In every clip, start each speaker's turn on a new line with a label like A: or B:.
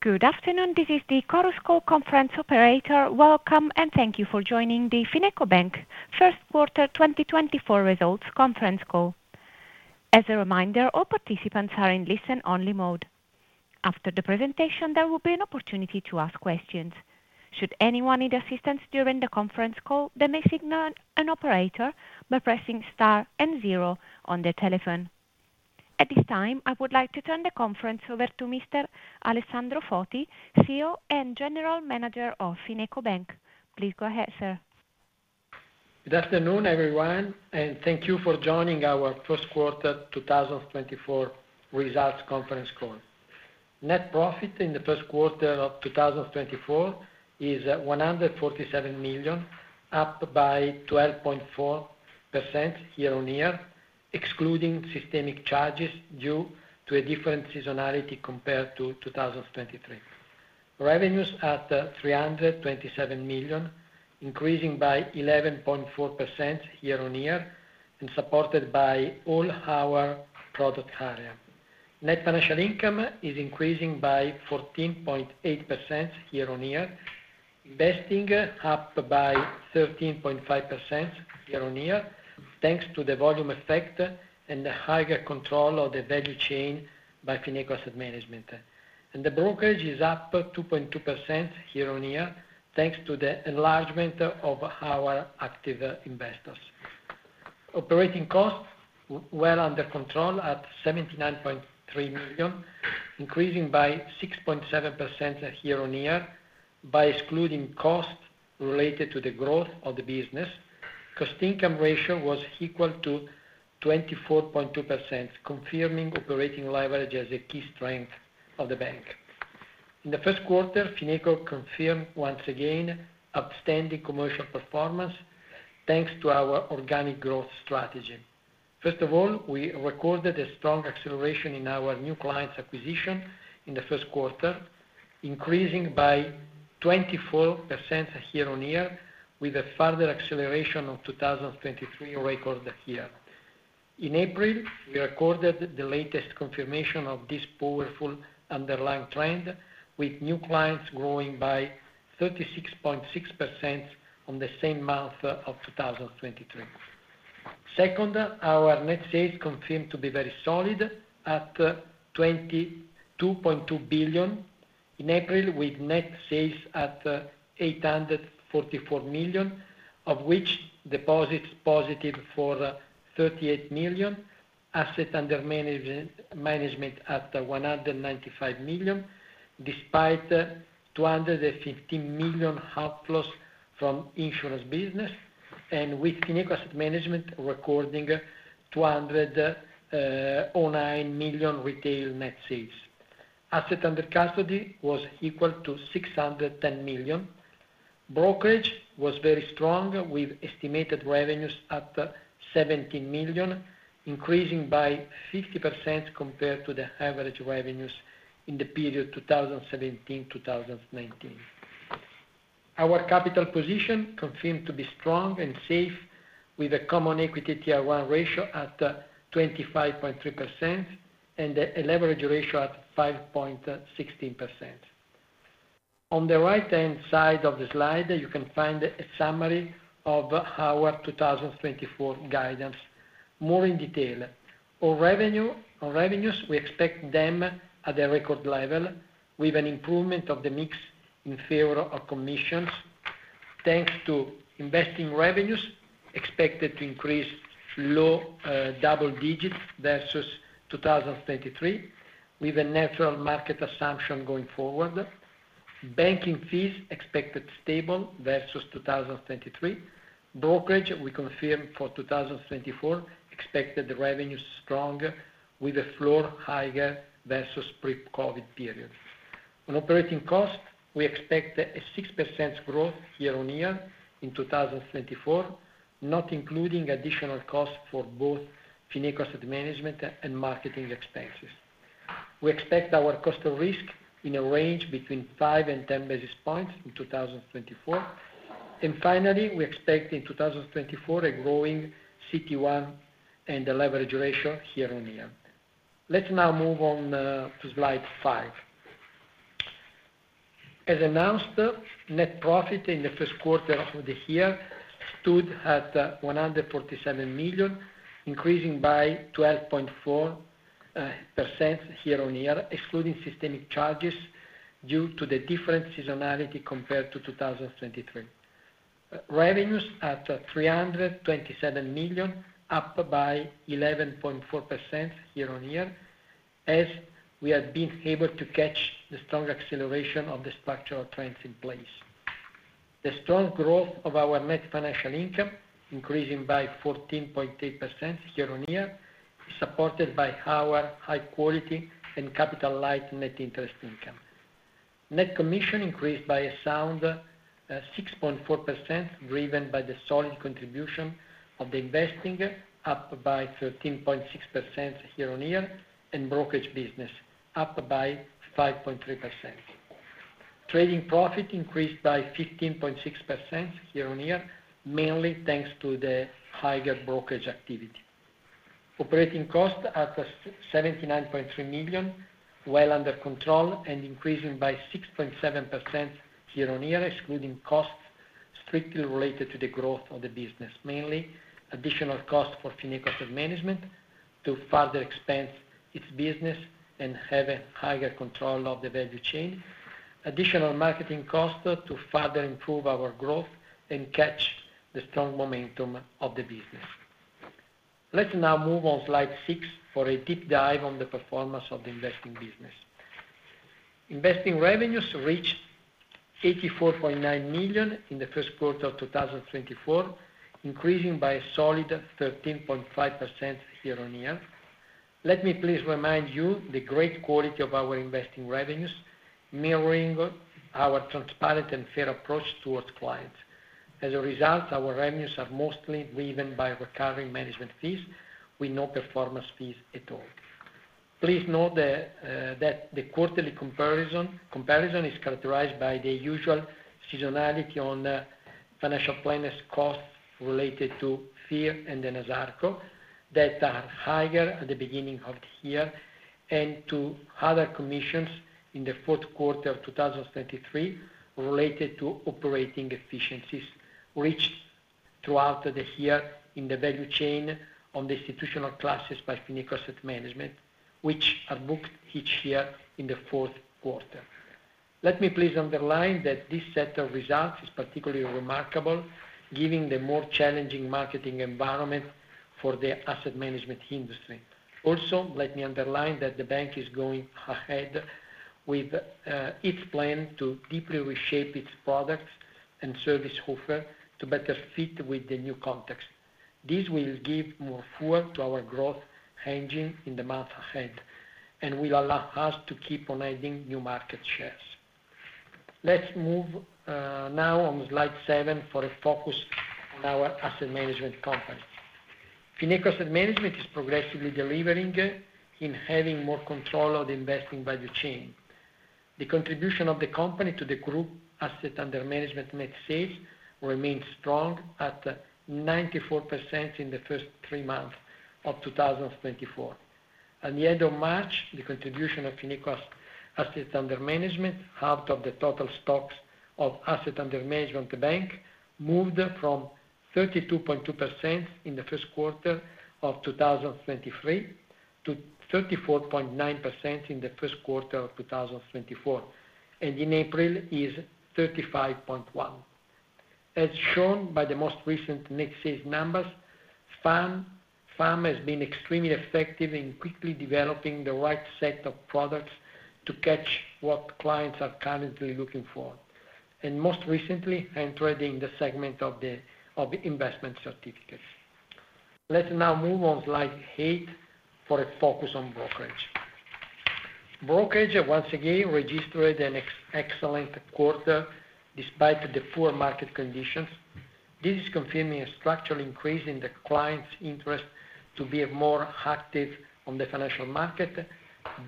A: Good afternoon, this is the Chorus Call Conference Operator. Welcome, and thank you for joining the FinecoBank first quarter 2024 results conference call. As a reminder, all participants are in listen-only mode. After the presentation, there will be an opportunity to ask questions. Should anyone need assistance during the conference call, they may signal an operator by pressing star and zero on their telephone. At this time, I would like to turn the conference over to Mr. Alessandro Foti, CEO and General Manager of FinecoBank. Please go ahead, sir.
B: Good afternoon, everyone, and thank you for joining our first quarter 2024 results conference call. Net profit in the first quarter of 2024 is at 147 million, up by 12.4% year-on-year, excluding systemic charges due to a different seasonality compared to 2023. Revenues at 327 million, increasing by 11.4% year-on-year, and supported by all our product area. Net financial income is increasing by 14.8% year-on-year. Investing up by 13.5% year-on-year, thanks to the volume effect and the higher control of the value chain by Fineco Asset Management. The brokerage is up 2.2% year-on-year, thanks to the enlargement of our active investors. Operating costs well under control at 79.3 million, increasing by 6.7% year-on-year, by excluding costs related to the growth of the business. Cost-income ratio was equal to 24.2%, confirming operating leverage as a key strength of the bank. In the first quarter, Fineco confirmed once again outstanding commercial performance, thanks to our organic growth strategy. First of all, we recorded a strong acceleration in our new clients acquisition in the first quarter, increasing by 24% year-on-year, with a further acceleration of 2023 record year. In April, we recorded the latest confirmation of this powerful underlying trend, with new clients growing by 36.6% on the same month of 2023. Second, our net sales continued to be very solid at 22.2 billion in April, with net sales at 844 million, of which deposits positive for 38 million, assets under management at 195 million, despite 250 million outflows from insurance business, and with Fineco Asset Management recording 209 million retail net sales. Assets under custody was equal to 610 million. Brokerage was very strong, with estimated revenues at 17 million, increasing by 50% compared to the average revenues in the period 2017-2019. Our capital position continued to be strong and safe, with a Common Equity Tier 1 ratio at 25.3% and a leverage ratio at 5.16%. On the right-hand side of the slide, you can find a summary of our 2024 guidance. More in detail. On revenue, on revenues, we expect them at a record level, with an improvement of the mix in favor of commissions, thanks to investing revenues expected to increase low double digits versus 2023, with a natural market assumption going forward. Banking fees expected stable versus 2023. Brokerage, we confirm for 2024, expected the revenues stronger, with the floor higher versus pre-COVID period. On operating costs, we expect a 6% growth year-on-year in 2024, not including additional costs for both Fineco Asset Management and marketing expenses. We expect our cost of risk in a range between 5 and 10 basis points in 2024. And finally, we expect in 2024, a growing CET1 and the leverage ratio year-on-year. Let's now move on to slide five. As announced, net profit in the first quarter of the year stood at 147 million, increasing by 12.4% year-on-year, excluding systemic charges due to the different seasonality compared to 2023. Revenues at 327 million, up by 11.4% year-on-year, as we have been able to catch the strong acceleration of the structural trends in place. The strong growth of our net financial income, increasing by 14.8% year-on-year, is supported by our high quality and capital light net interest income. Net commission increased by a sound 6.4%, driven by the solid contribution of the investing, up by 13.6% year-on-year, and brokerage business, up by 5.3%. Trading profit increased by 15.6% year-on-year, mainly thanks to the higher brokerage activity. Operating costs at 79.3 million, well under control and increasing by 6.7% year-on-year, excluding costs strictly related to the growth of the business. Mainly, additional cost for Fineco Asset Management to further expand its business and have a higher control of the value chain. Additional marketing costs to further improve our growth and catch the strong momentum of the business. Let's now move on Slide 6 for a deep dive on the performance of the investing business. Investing revenues reached 84.9 million in the first quarter of 2024, increasing by a solid 13.5% year-on-year. Let me please remind you, the great quality of our investing revenues, mirroring our transparent and fair approach towards clients. As a result, our revenues are mostly driven by recurring management fees, with no performance fees at all. Please note that the quarterly comparison is characterized by the usual seasonality on financial planners costs related to FIRR and then Enasarco, that are higher at the beginning of the year, and to other commissions in the fourth quarter of 2023, related to operating efficiencies reached throughout the year in the value chain on the institutional classes by Fineco Asset Management, which are booked each year in the fourth quarter. Let me please underline that this set of results is particularly remarkable, given the more challenging marketing environment for the asset management industry. Also, let me underline that the bank is going ahead with its plan to deeply reshape its products and service offer to better fit with the new context. This will give more fuel to our growth engine in the months ahead, and will allow us to keep on adding new market shares. Let's move now on Slide 7 for a focus on our asset management company. Fineco Asset Management is progressively delivering in having more control of the investing value chain. The contribution of the company to the group asset under management net sales remains strong at 94% in the first three months of 2024. At the end of March, the contribution of Fineco's assets under management, half of the total stocks of assets under management, the bank moved from 32.2% in the first quarter of 2023, to 34.9% in the first quarter of 2024, and in April, is 35.1%. As shown by the most recent net sales numbers, FAM, FAM has been extremely effective in quickly developing the right set of products to catch what clients are currently looking for, and most recently, entering the segment of the investment certificates. Let's now move on Slide 8 for a focus on brokerage. Brokerage, once again, registered an excellent quarter despite the poor market conditions. This is confirming a structural increase in the client's interest to be more active on the financial market,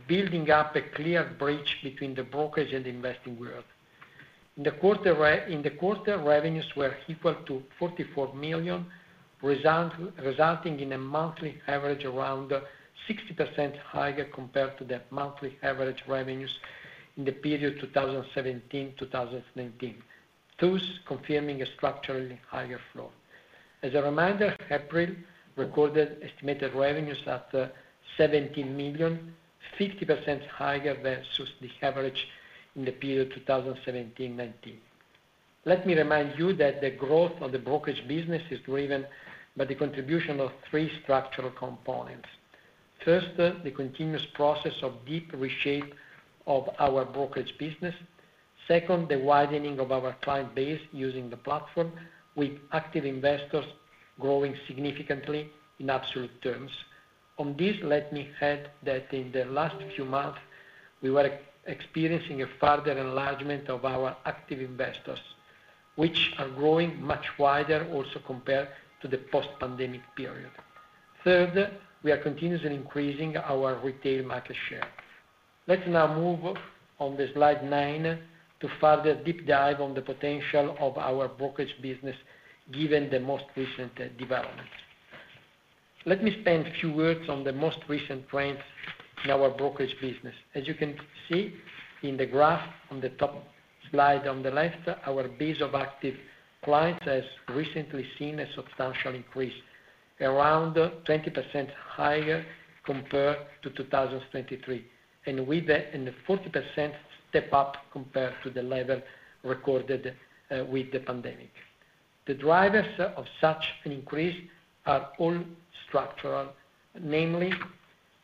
B: building up a clear bridge between the brokerage and investing world. In the quarter, revenues were equal to 44 million, resulting in a monthly average around 60% higher compared to the monthly average revenues in the period 2017-2019, thus confirming a structurally higher flow. As a reminder, April recorded estimated revenues at 17 million, 50% higher than the average in the period 2017-2019. Let me remind you that the growth of the brokerage business is driven by the contribution of three structural components. First, the continuous process of deep reshape of our brokerage business. Second, the widening of our client base using the platform, with active investors growing significantly in absolute terms. On this, let me add that in the last few months, we were experiencing a further enlargement of our active investors, which are growing much wider, also compared to the post-pandemic period. Third, we are continuously increasing our retail market share. Let's now move on the Slide 9 to further deep dive on the potential of our brokerage business, given the most recent developments. Let me spend a few words on the most recent trends in our brokerage business. As you can see in the graph on the top slide on the left, our base of active clients has recently seen a substantial increase, around 20% higher compared to 2023, and with a, and a 40% step up compared to the level recorded with the pandemic. The drivers of such an increase are all structural, namely,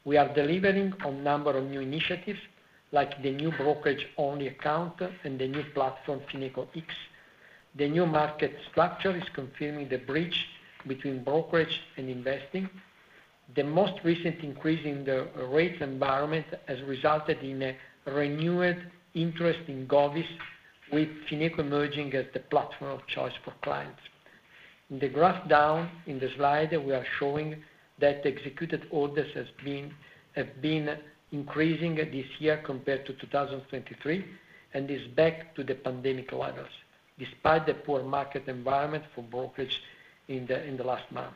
B: we are delivering on number of new initiatives, like the new brokerage-only account and the new platform, FinecoX. The new market structure is confirming the bridge between brokerage and investing. The most recent increase in the rate environment has resulted in a renewed interest in govies, with Fineco emerging as the platform of choice for clients. In the graph down in the slide, we are showing that executed orders has been, have been increasing this year compared to 2023, and is back to the pandemic levels, despite the poor market environment for brokerage in the, in the last month.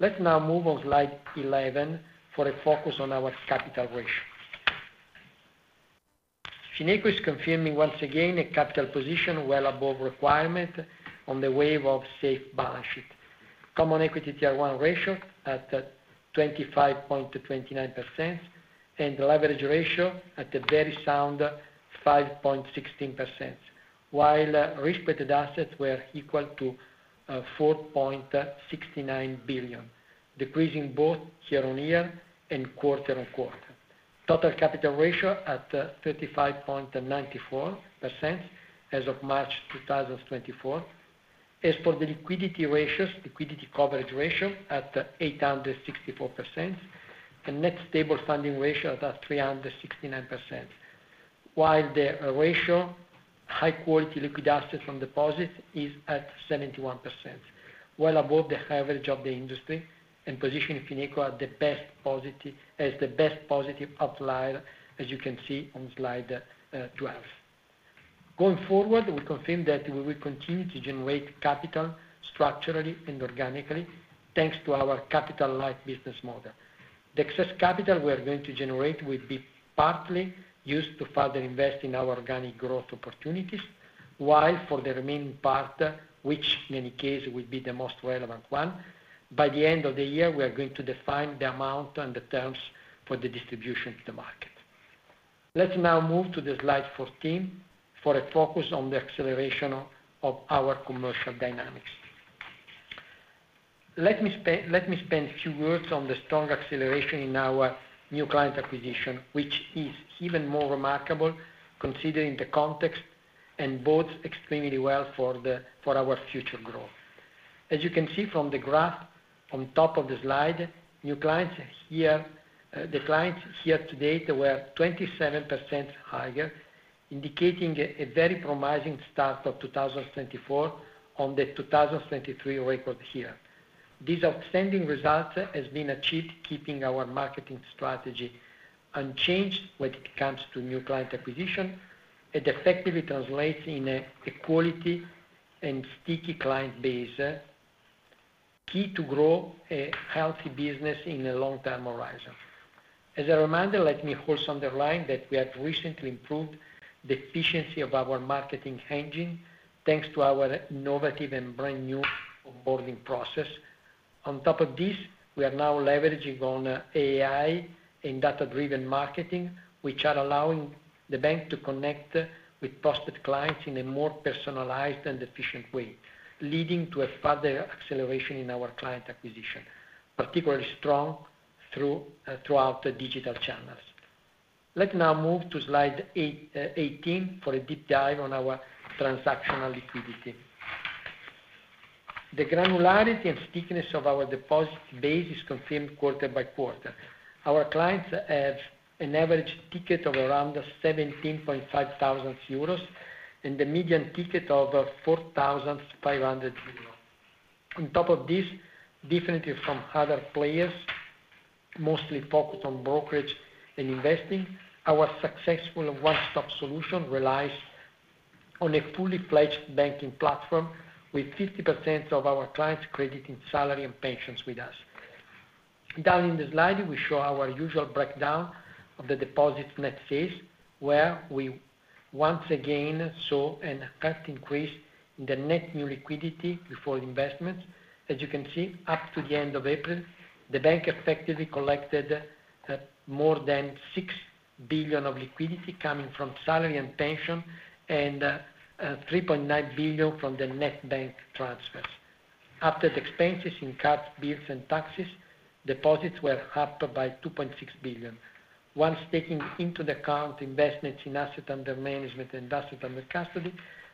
B: Let's now move on Slide 11 for a focus on our capital ratio. Fineco is confirming once again a capital position well above requirement on the wave of safe balance sheet. Common Equity Tier 1 ratio at 25.29%, and the leverage ratio at a very sound 5.16%, while risk-weighted assets were equal to 4.69 billion, decreasing both year-on-year and quarter-on-quarter. Total capital ratio at 35.94% as of March 2024. As for the liquidity ratios, liquidity coverage ratio at 864%, the net stable funding ratio at 369%, while the ratio high-quality liquid assets from deposits is at 71%, well above the average of the industry, and positioning Fineco at the best positive-- as the best positive outlier, as you can see on Slide 12. Going forward, we confirm that we will continue to generate capital structurally and organically, thanks to our capital light business model. The excess capital we are going to generate will be partly used to further invest in our organic growth opportunities, while for the remaining part, which in any case will be the most relevant one, by the end of the year, we are going to define the amount and the terms for the distribution to the market. Let's now move to the Slide 14 for a focus on the acceleration of our commercial dynamics. Let me spend a few words on the strong acceleration in our new client acquisition, which is even more remarkable considering the context and bodes extremely well for our future growth. As you can see from the graph on top of the slide, new clients here. The clients year to date were 27% higher, indicating a very promising start of 2024 on the 2023 record year. These outstanding result has been achieved keeping our marketing strategy unchanged when it comes to new client acquisition. It effectively translates in a quality and sticky client base, key to grow a healthy business in a long-term horizon. As a reminder, let me also underline that we have recently improved the efficiency of our marketing engine, thanks to our innovative and brand new onboarding process. On top of this, we are now leveraging on AI and data-driven marketing, which are allowing the bank to connect with prospect clients in a more personalized and efficient way, leading to a further acceleration in our client acquisition, particularly strong throughout the digital channels. Let's now move to Slide eighteen, for a deep dive on our transactional liquidity. The granularity and stickiness of our deposit base is confirmed quarter by quarter. Our clients have an average ticket of around 17.5 thousand euros, and the median ticket of 4,500 euros. On top of this, differently from other players, mostly focused on brokerage and investing, our successful one-stop solution relies on a fully fledged banking platform, with 50% of our clients crediting salary and pensions with us. Down in the slide, we show our usual breakdown of the deposits net fees, where we once again saw a sharp increase in the net new liquidity before investments. As you can see, up to the end of April, the bank effectively collected more than 6 billion of liquidity coming from salary and pension, and 3.9 billion from the net bank transfers. After the expenses in cards, bills, and taxes, deposits were up by 2.6 billion. Once taking into account investments in asset under management and assets under custody,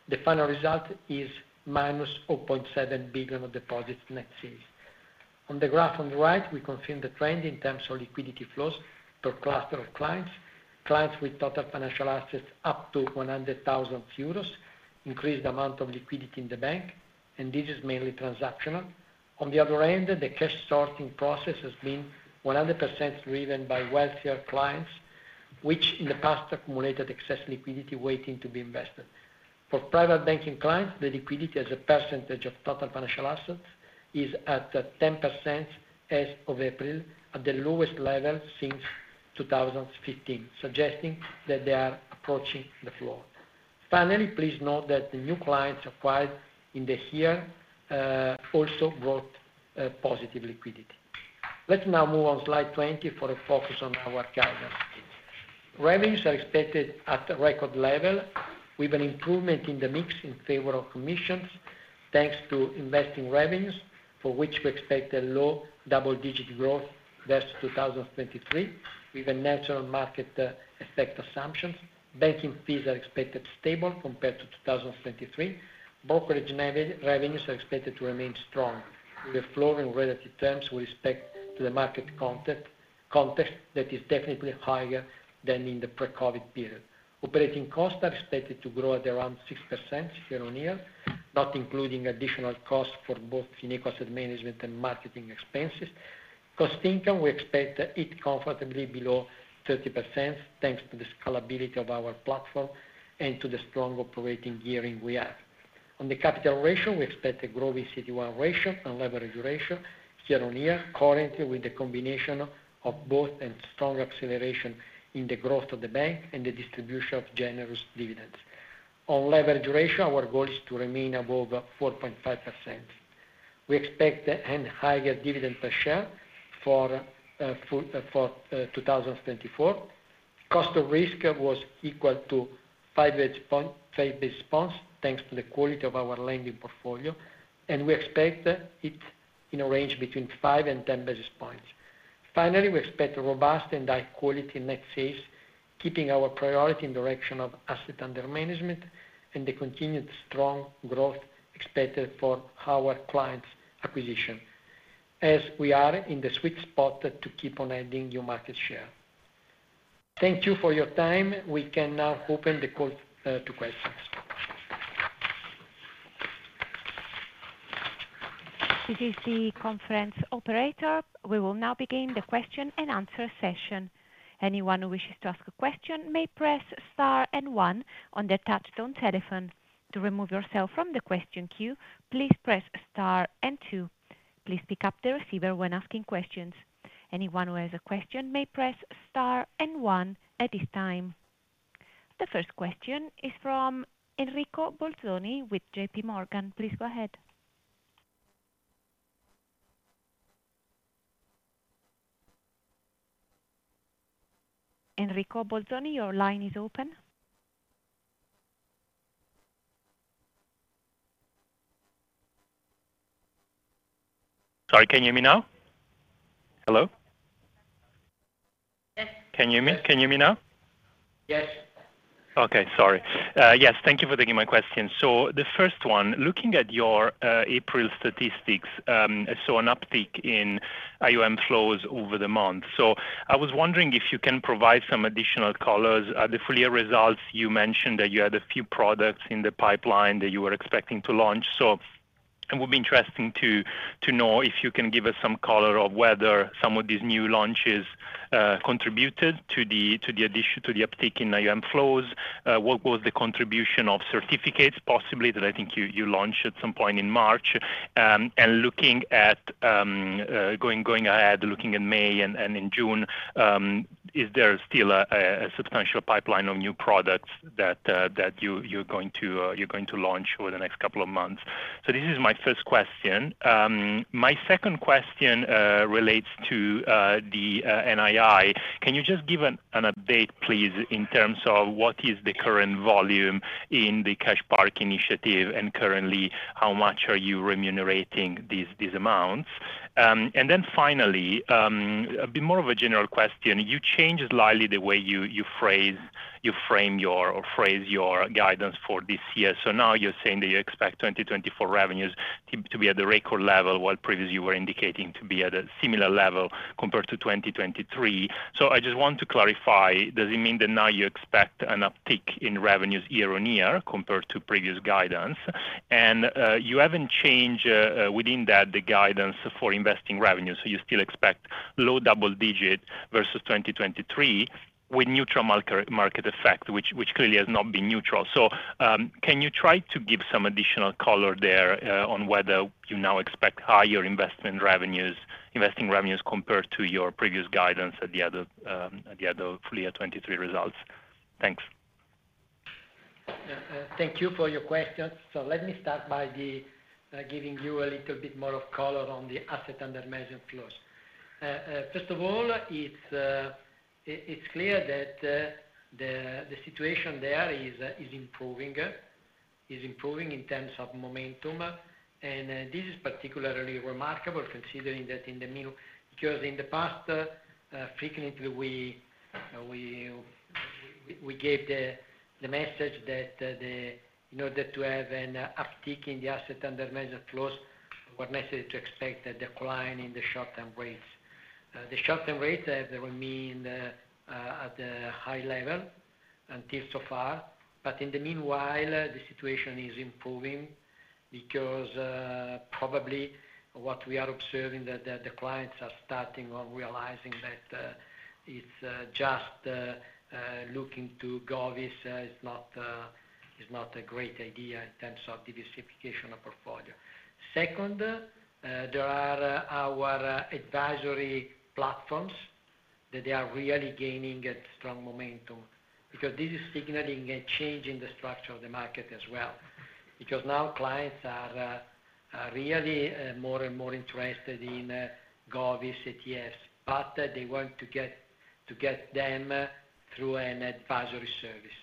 B: the final result is -0.7 billion of deposits net fees. On the graph on the right, we confirm the trend in terms of liquidity flows per cluster of clients. Clients with total financial assets up to 100,000 euros increased amount of liquidity in the bank, and this is mainly transactional. On the other end, the cash sorting process has been 100% driven by wealthier clients, which in the past accumulated excess liquidity waiting to be invested. For private banking clients, the liquidity as a percentage of total financial assets is at 10% as of April, at the lowest level since 2015, suggesting that they are approaching the floor. Finally, please note that the new clients acquired in the year also brought positive liquidity. Let's now move on Slide 20 for a focus on our guidance. Revenues are expected at a record level, with an improvement in the mix in favor of commissions, thanks to investing revenues, for which we expect a low double-digit growth versus 2023, with a natural market effect assumptions. Banking fees are expected stable compared to 2023. Brokerage revenues are expected to remain strong, with a flow in relative terms with respect to the market context, context that is definitely higher than in the pre-COVID period. Operating costs are expected to grow at around 6% year-on-year, not including additional costs for both Fineco Asset Management and marketing expenses. Cost-income, we expect it comfortably below 30%, thanks to the scalability of our platform and to the strong operating gearing we have. On the capital ratio, we expect a growing CET1 ratio and leverage ratio year-on-year, currently with the combination of both and strong acceleration in the growth of the bank and the distribution of generous dividends. On leverage ratio, our goal is to remain above 4.5%. We expect a higher dividend per share for 2024. Cost of risk was equal to 5 basis points, thanks to the quality of our lending portfolio, and we expect it in a range between 5 and 10 basis points. Finally, we expect robust and high-quality net fees, keeping our priority in direction of asset under management and the continued strong growth expected for our clients' acquisition, as we are in the sweet spot to keep on adding new market share. Thank you for your time. We can now open the call to questions.
A: This is the conference operator. We will now begin the question-and-answer session. Anyone who wishes to ask a question may press Star and One on their touchtone telephones. To remove yourself from the question queue, please press Star and Two. Please pick up the receiver when asking questions. Anyone who has a question may press Star and One at this time. The first question is from Enrico Bolzoni with JPMorgan. Please go ahead. Enrico Bolzoni, your line is open.
C: Sorry, can you hear me now? Hello?
B: Yes.
C: Can you hear me, can you hear me now?
B: Yes.
C: Okay, sorry. Yes, thank you for taking my question. So the first one, looking at your April statistics, I saw an uptick in AUM flows over the month. So I was wondering if you can provide some additional color. At the full year results, you mentioned that you had a few products in the pipeline that you were expecting to launch. So it would be interesting to know if you can give us some color on whether some of these new launches contributed to the uptick in AUM flows. What was the contribution of certificates, possibly, that I think you launched at some point in March? And looking at, going ahead, looking in May and in June, is there still a substantial pipeline of new products that you're going to launch over the next couple of months? So this is my first question. My second question relates to the NII. Can you just give an update, please, in terms of what is the current volume in the CashPark initiative, and currently, how much are you remunerating these amounts? And then finally, a bit more of a general question: you changed slightly the way you phrase or frame your guidance for this year. So now you're saying that you expect 2024 revenues to be at the record level, while previously you were indicating to be at a similar level compared to 2023. So I just want to clarify, does it mean that now you expect an uptick in revenues year-on-year compared to previous guidance? And you haven't changed within that the guidance for investing revenues, so you still expect low double digits versus 2023 with neutral market effect, which clearly has not been neutral. So can you try to give some additional color there on whether you now expect higher investment revenues- investing revenues compared to your previous guidance at the other full year 2023 results? Thanks.
B: Thank you for your questions. So let me start by the giving you a little bit more of color on the asset under management flows. First of all, it's clear that the situation there is improving in terms of momentum. And this is particularly remarkable considering that in the mean... Because in the past, frequently, we gave the message that, in order to have an uptick in the asset under management flows, we're necessary to expect a decline in the short-term rates. The short-term rates, they remain at a high level until so far. But in the meanwhile, the situation is improving because probably what we are observing that the clients are starting on realizing that it's just looking to govies is not a great idea in terms of diversification of portfolio. Second, there are our advisory platforms that they are really gaining a strong momentum, because this is signaling a change in the structure of the market as well. Because now clients are really more and more interested in go with ETFs, but they want to get them through an advisory service.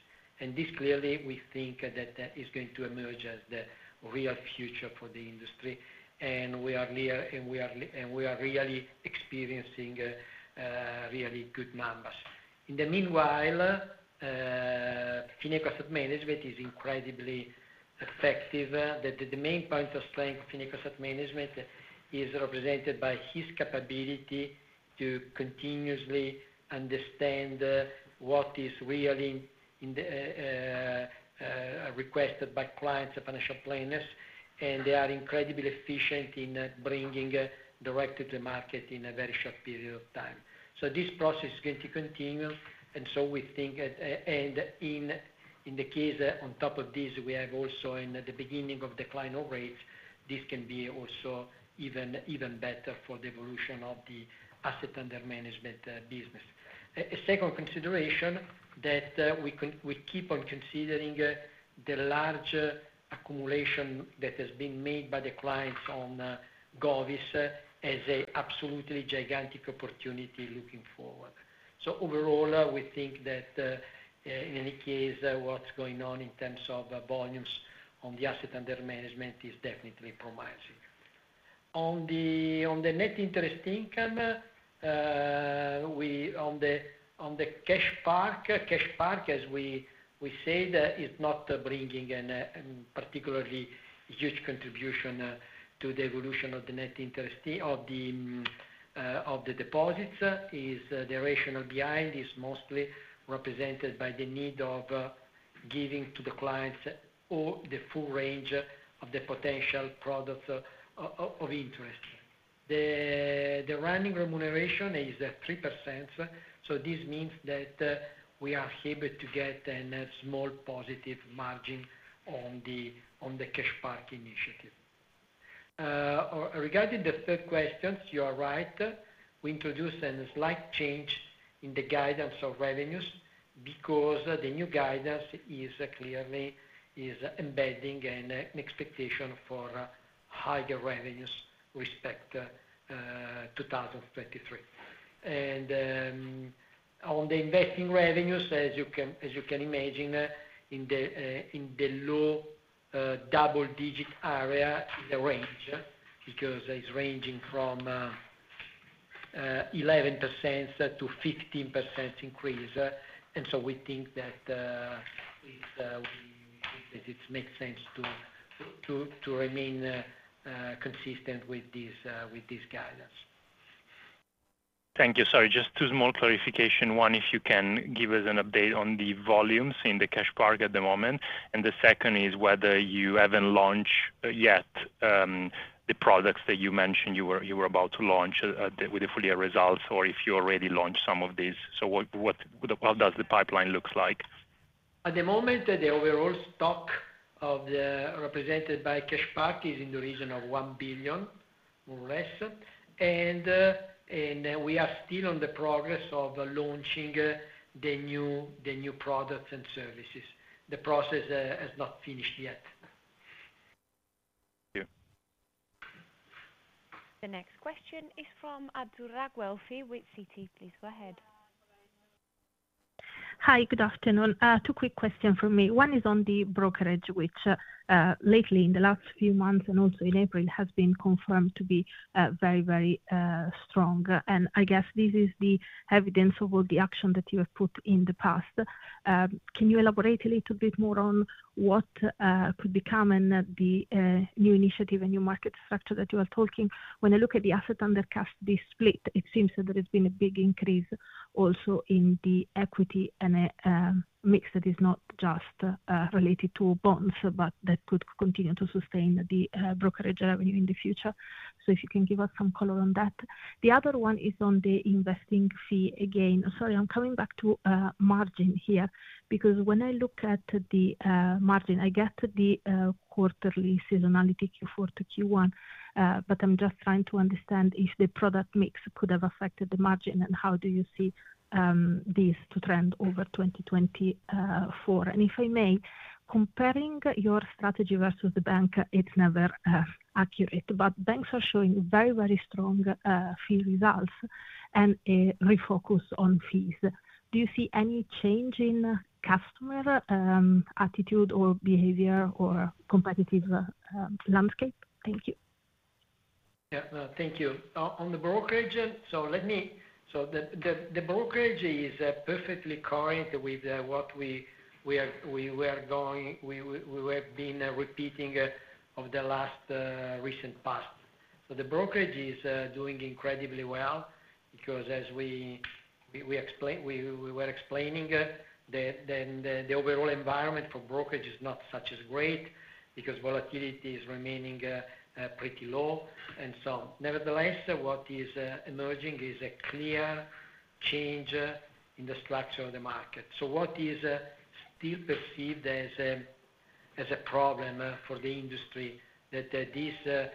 B: And this clearly, we think that that is going to emerge as the real future for the industry, and we are really experiencing really good numbers. In the meanwhile, Fineco Asset Management is incredibly effective, that the main point of strength of Fineco Asset Management is represented by his capability to continuously understand what is really in the requested by clients and financial planners, and they are incredibly efficient in bringing direct to the market in a very short period of time. So this process is going to continue, and so we think, and in, in the case on top of this, we have also in the beginning of decline of rates, this can be also even better for the evolution of the asset under management business. A second consideration that we keep on considering, the large accumulation that has been made by the clients on govies, as absolutely gigantic opportunity looking forward. So overall, we think that, in any case, what's going on in terms of volumes on the asset under management is definitely promising. On the net interest income, on the CashPark, as we said, is not bringing a particularly huge contribution to the evolution of the net interest of the deposits. The rationale behind it is mostly represented by the need of giving to the clients all the full range of the potential products of interest. The running remuneration is at 3%, so this means that we are able to get a small positive margin on the CashPark initiative. Regarding the third question, you are right. We introduced a slight change in the guidance of revenues, because the new guidance is clearly embedding an expectation for higher revenues versus 2023. And on the investing revenues, as you can imagine, in the low double-digit area in the range, because it's ranging from 11%-15% increase. And so we think that it makes sense to remain consistent with this guidance.
C: Thank you. Sorry, just two small clarifications. One, if you can give us an update on the volumes in the CashPark at the moment, and the second is whether you haven't launched yet the products that you mentioned you were about to launch with the full year results, or if you already launched some of these. So what does the pipeline looks like?
B: At the moment, the overall stock of the represented by CashPark is in the region of 1 billion, more or less. We are still on the progress of launching the new, the new products and services. The process has not finished yet.
C: Thank you.
A: The next question is from Azzurra Guelfi with Citi. Please go ahead.
D: Hi, good afternoon. Two quick question for me. One is on the brokerage, which, lately, in the last few months, and also in April, has been confirmed to be, very, very, strong. And I guess this is the evidence of all the action that you have put in the past. Can you elaborate a little bit more on what, could become and the, new initiative and new market structure that you are talking? When I look at the assets under custody, the split, it seems that there has been a big increase also in the equity and a, mix that is not just, related to bonds, but that could continue to sustain the, brokerage revenue in the future. So if you can give us some color on that. The other one is on the investing fee. Again, sorry, I'm coming back to margin here, because when I look at the margin, I get the quarterly seasonality Q4 to Q1. But I'm just trying to understand if the product mix could have affected the margin, and how do you see this to trend over 2024? And if I may, comparing your strategy versus the bank, it's never accurate, but banks are showing very, very strong fee results and a refocus on fees. Do you see any change in customer attitude or behavior, or competitive landscape? Thank you.
B: Yeah. No, thank you. On the brokerage, so let me. So the brokerage is perfectly current with what we have been repeating over the last recent past. So the brokerage is doing incredibly well, because as we explained, the overall environment for brokerage is not so great, because volatility is remaining pretty low. And so nevertheless, what is emerging is a clear change in the structure of the market. So what is still perceived as a problem for the industry, that this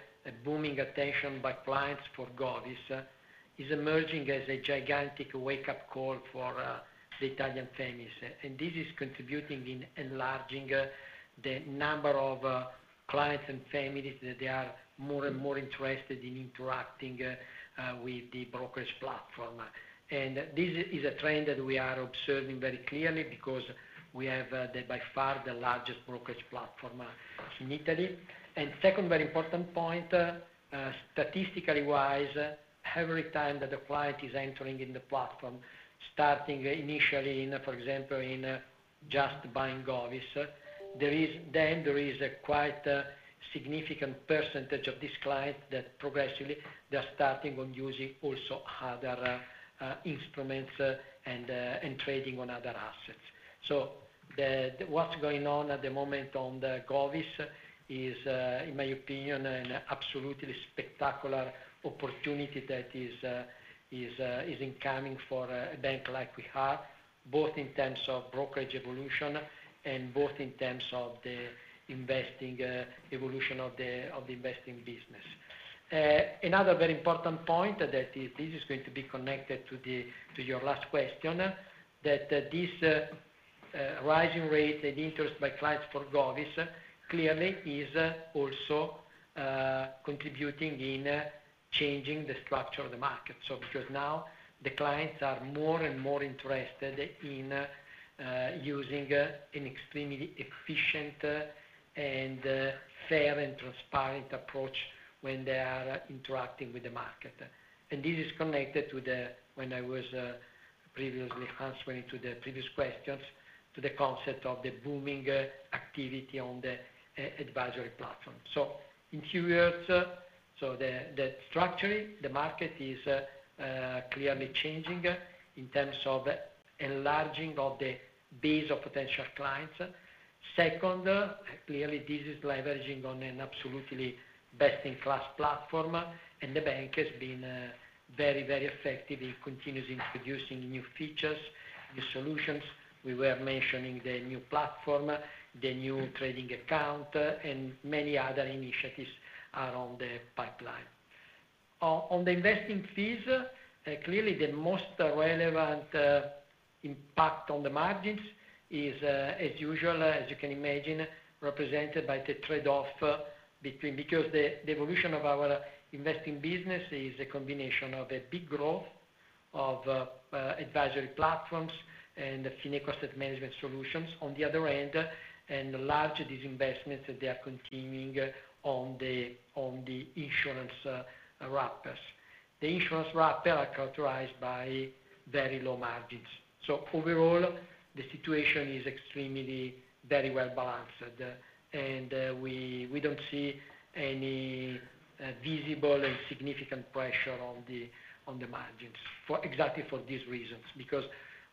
B: booming attention by clients for govies is emerging as a gigantic wake-up call for the Italian families. This is contributing in enlarging the number of clients and families that they are more and more interested in interacting with the brokerage platform. This is a trend that we are observing very clearly, because we have by far the largest brokerage platform in Italy. Second very important point, statistically wise, every time that the client is entering in the platform, starting initially, for example, just buying govies. There is, then there is a quite significant percentage of this client that progressively they are starting on using also other instruments, and trading on other assets. So what's going on at the moment on the govies is, in my opinion, an absolutely spectacular opportunity that is incoming for a bank like we are, both in terms of brokerage evolution and both in terms of the investing evolution of the investing business. Another very important point, that this is going to be connected to your last question, that this rising rate and interest by clients for govies clearly is also contributing in changing the structure of the market. So because now the clients are more and more interested in using an extremely efficient and fair, and transparent approach when they are interacting with the market. And this is connected to the... When I was previously answering to the previous questions, to the concept of the booming activity on the advisory platform. So in theory, structurally, the market is clearly changing in terms of enlarging of the base of potential clients. Second, clearly, this is leveraging on an absolutely best-in-class platform, and the bank has been very, very effective. It continues introducing new features, new solutions. We were mentioning the new platform, the new trading account, and many other initiatives are on the pipeline. On the investing fees, clearly, the most relevant impact on the margins is, as usual, as you can imagine, represented by the trade-off between, because the evolution of our investing business is a combination of a big growth of advisory platforms and Fineco Asset Management solutions. On the other hand, a large disinvestment, they are continuing on the insurance wrappers. The insurance wrappers are characterized by very low margins. So overall, the situation is extremely very well balanced, and we don't see any visible and significant pressure on the margins, for exactly for these reasons, because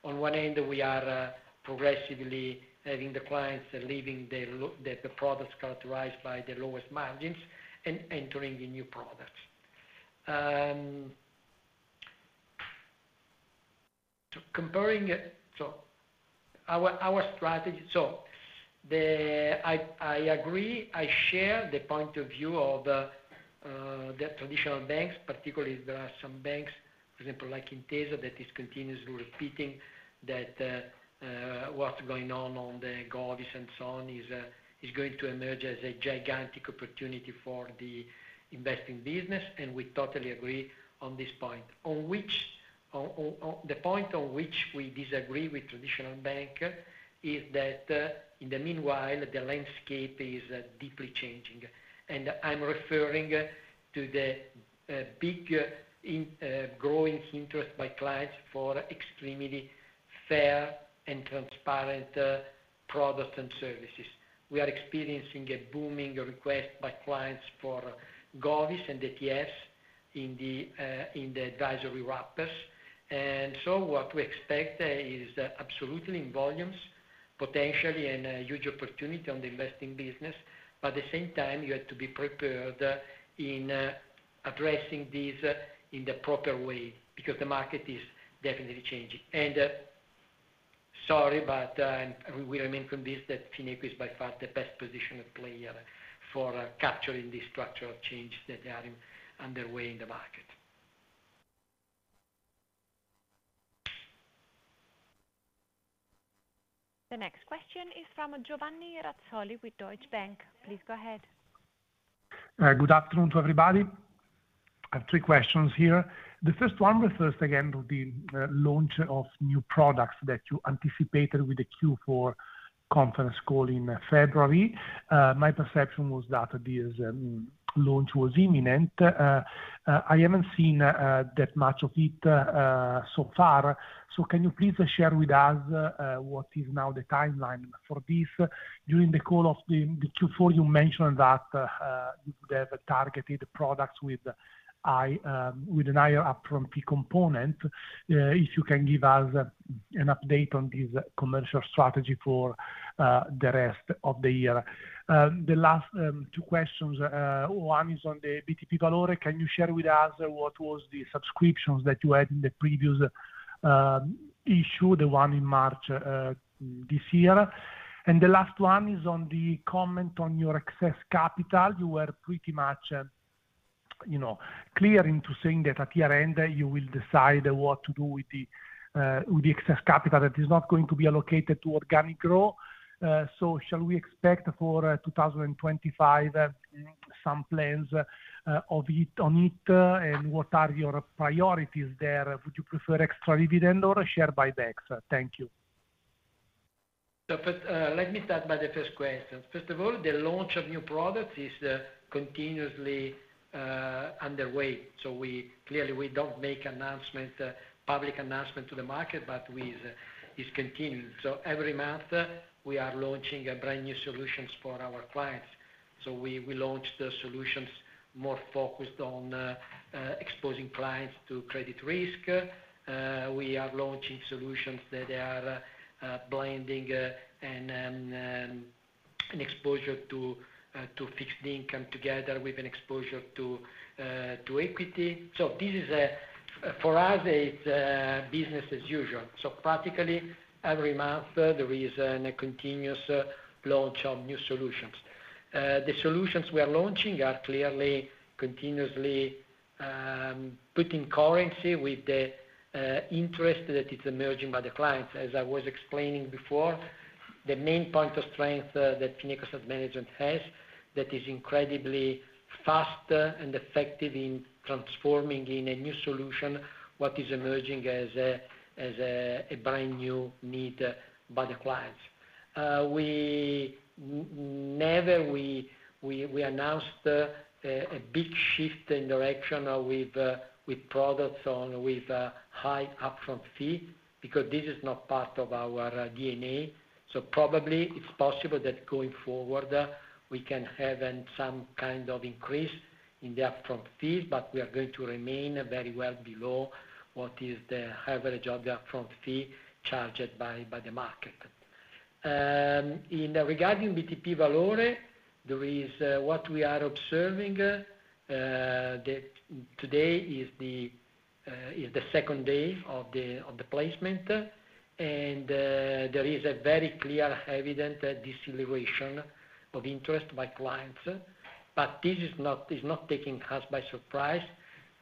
B: on one end, we are progressively having the clients leaving the lowest products characterized by the lowest margins and entering the new products. So comparing, so our strategy... So, I agree, I share the point of view of the traditional banks, particularly there are some banks, for example, like Intesa, that is continuously repeating that, what's going on, on the govies and so on, is going to emerge as a gigantic opportunity for the investing business, and we totally agree on this point. On which, the point on which we disagree with traditional bank is that, in the meanwhile, the landscape is deeply changing, and I'm referring to the big and growing interest by clients for extremely fair and transparent products and services. We are experiencing a booming request by clients for govies and ETFs in the advisory wrappers. And so what we expect is absolutely in volumes, potentially, and a huge opportunity on the investing business, but at the same time, you have to be prepared in, addressing this in the proper way, because the market is definitely changing. And, sorry, but, we remain convinced that Fineco is by far the best positioned player for capturing the structural change that are underway in the market.
A: The next question is from Giovanni Razzoli with Deutsche Bank. Please go ahead.
E: Good afternoon to everybody. I have three questions here. The first one refers again to the launch of new products that you anticipated with the Q4 conference call in February. My perception was that this launch was imminent. I haven't seen that much of it so far. So can you please share with us what is now the timeline for this? During the call of the Q4, you mentioned that there's a targeted products with a higher up-front fee component. If you can give us an update on this commercial strategy for the rest of the year. The last two questions, one is on the BTP Valore. Can you share with us what was the subscriptions that you had in the previous issue, the one in March this year? The last one is on the comment on your excess capital. You were pretty much, you know, clear into saying that at year-end, you will decide what to do with the, with the excess capital that is not going to be allocated to organic growth. So shall we expect for 2025 some plans of it, on it? And what are your priorities there? Would you prefer extra dividend or share buybacks? Thank you.
B: So first, let me start by the first question. First of all, the launch of new products is continuously underway. So we clearly, we don't make announcement, public announcement to the market, but we... It's continuing. So every month, we are launching a brand-new solutions for our clients. So we, we launched the solutions more focused on exposing clients to credit risk. We are launching solutions that are blending an exposure to fixed income together with an exposure to equity. So this is a, for us, it's business as usual. So practically, every month, there is a continuous launch of new solutions. The solutions we are launching are clearly continuously putting currency with the interest that is emerging by the clients. As I was explaining before, the main point of strength that Fineco Asset Management has, that is incredibly fast and effective in transforming into a new solution what is emerging as a brand-new need by the clients. We never announced a big shift in direction with products with high upfront fee, because this is not part of our DNA. So probably it's possible that going forward, we can have some kind of increase in the upfront fees, but we are going to remain very well below what is the average of the upfront fee charged by the market. Regarding BTP Valore, there is... What we are observing is that today is the second day of the placement, and there is a very clear evidence of a deceleration of interest by clients. But this is not taking us by surprise,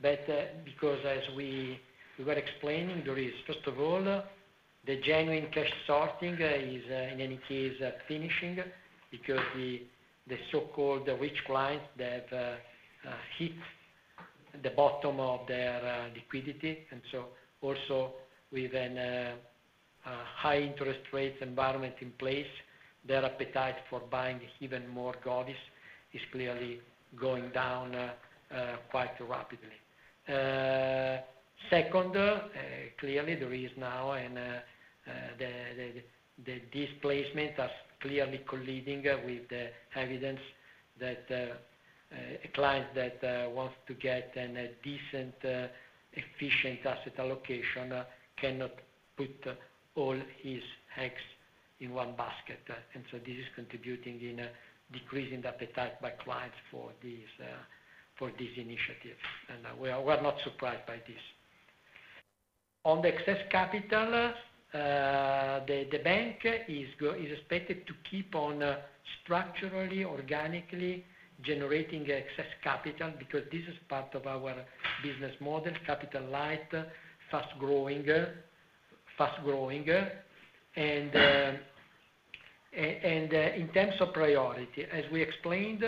B: but because as we were explaining, there is, first of all, the genuine cash sorting is, in any case, finishing because the so-called rich clients that hit the bottom of their liquidity. And so also with a high interest rates environment in place, their appetite for buying even more govies is clearly going down quite rapidly. Second, clearly, there is now and the displacement as clearly colliding with the evidence that a client that wants to get a decent, efficient asset allocation cannot put all his eggs in one basket. And so this is contributing in a decrease in the appetite by clients for these initiatives, and we are not surprised by this. On the excess capital, the bank is expected to keep on structurally, organically generating excess capital, because this is part of our business model: capital light, fast growing, fast growing. And in terms of priority, as we explained,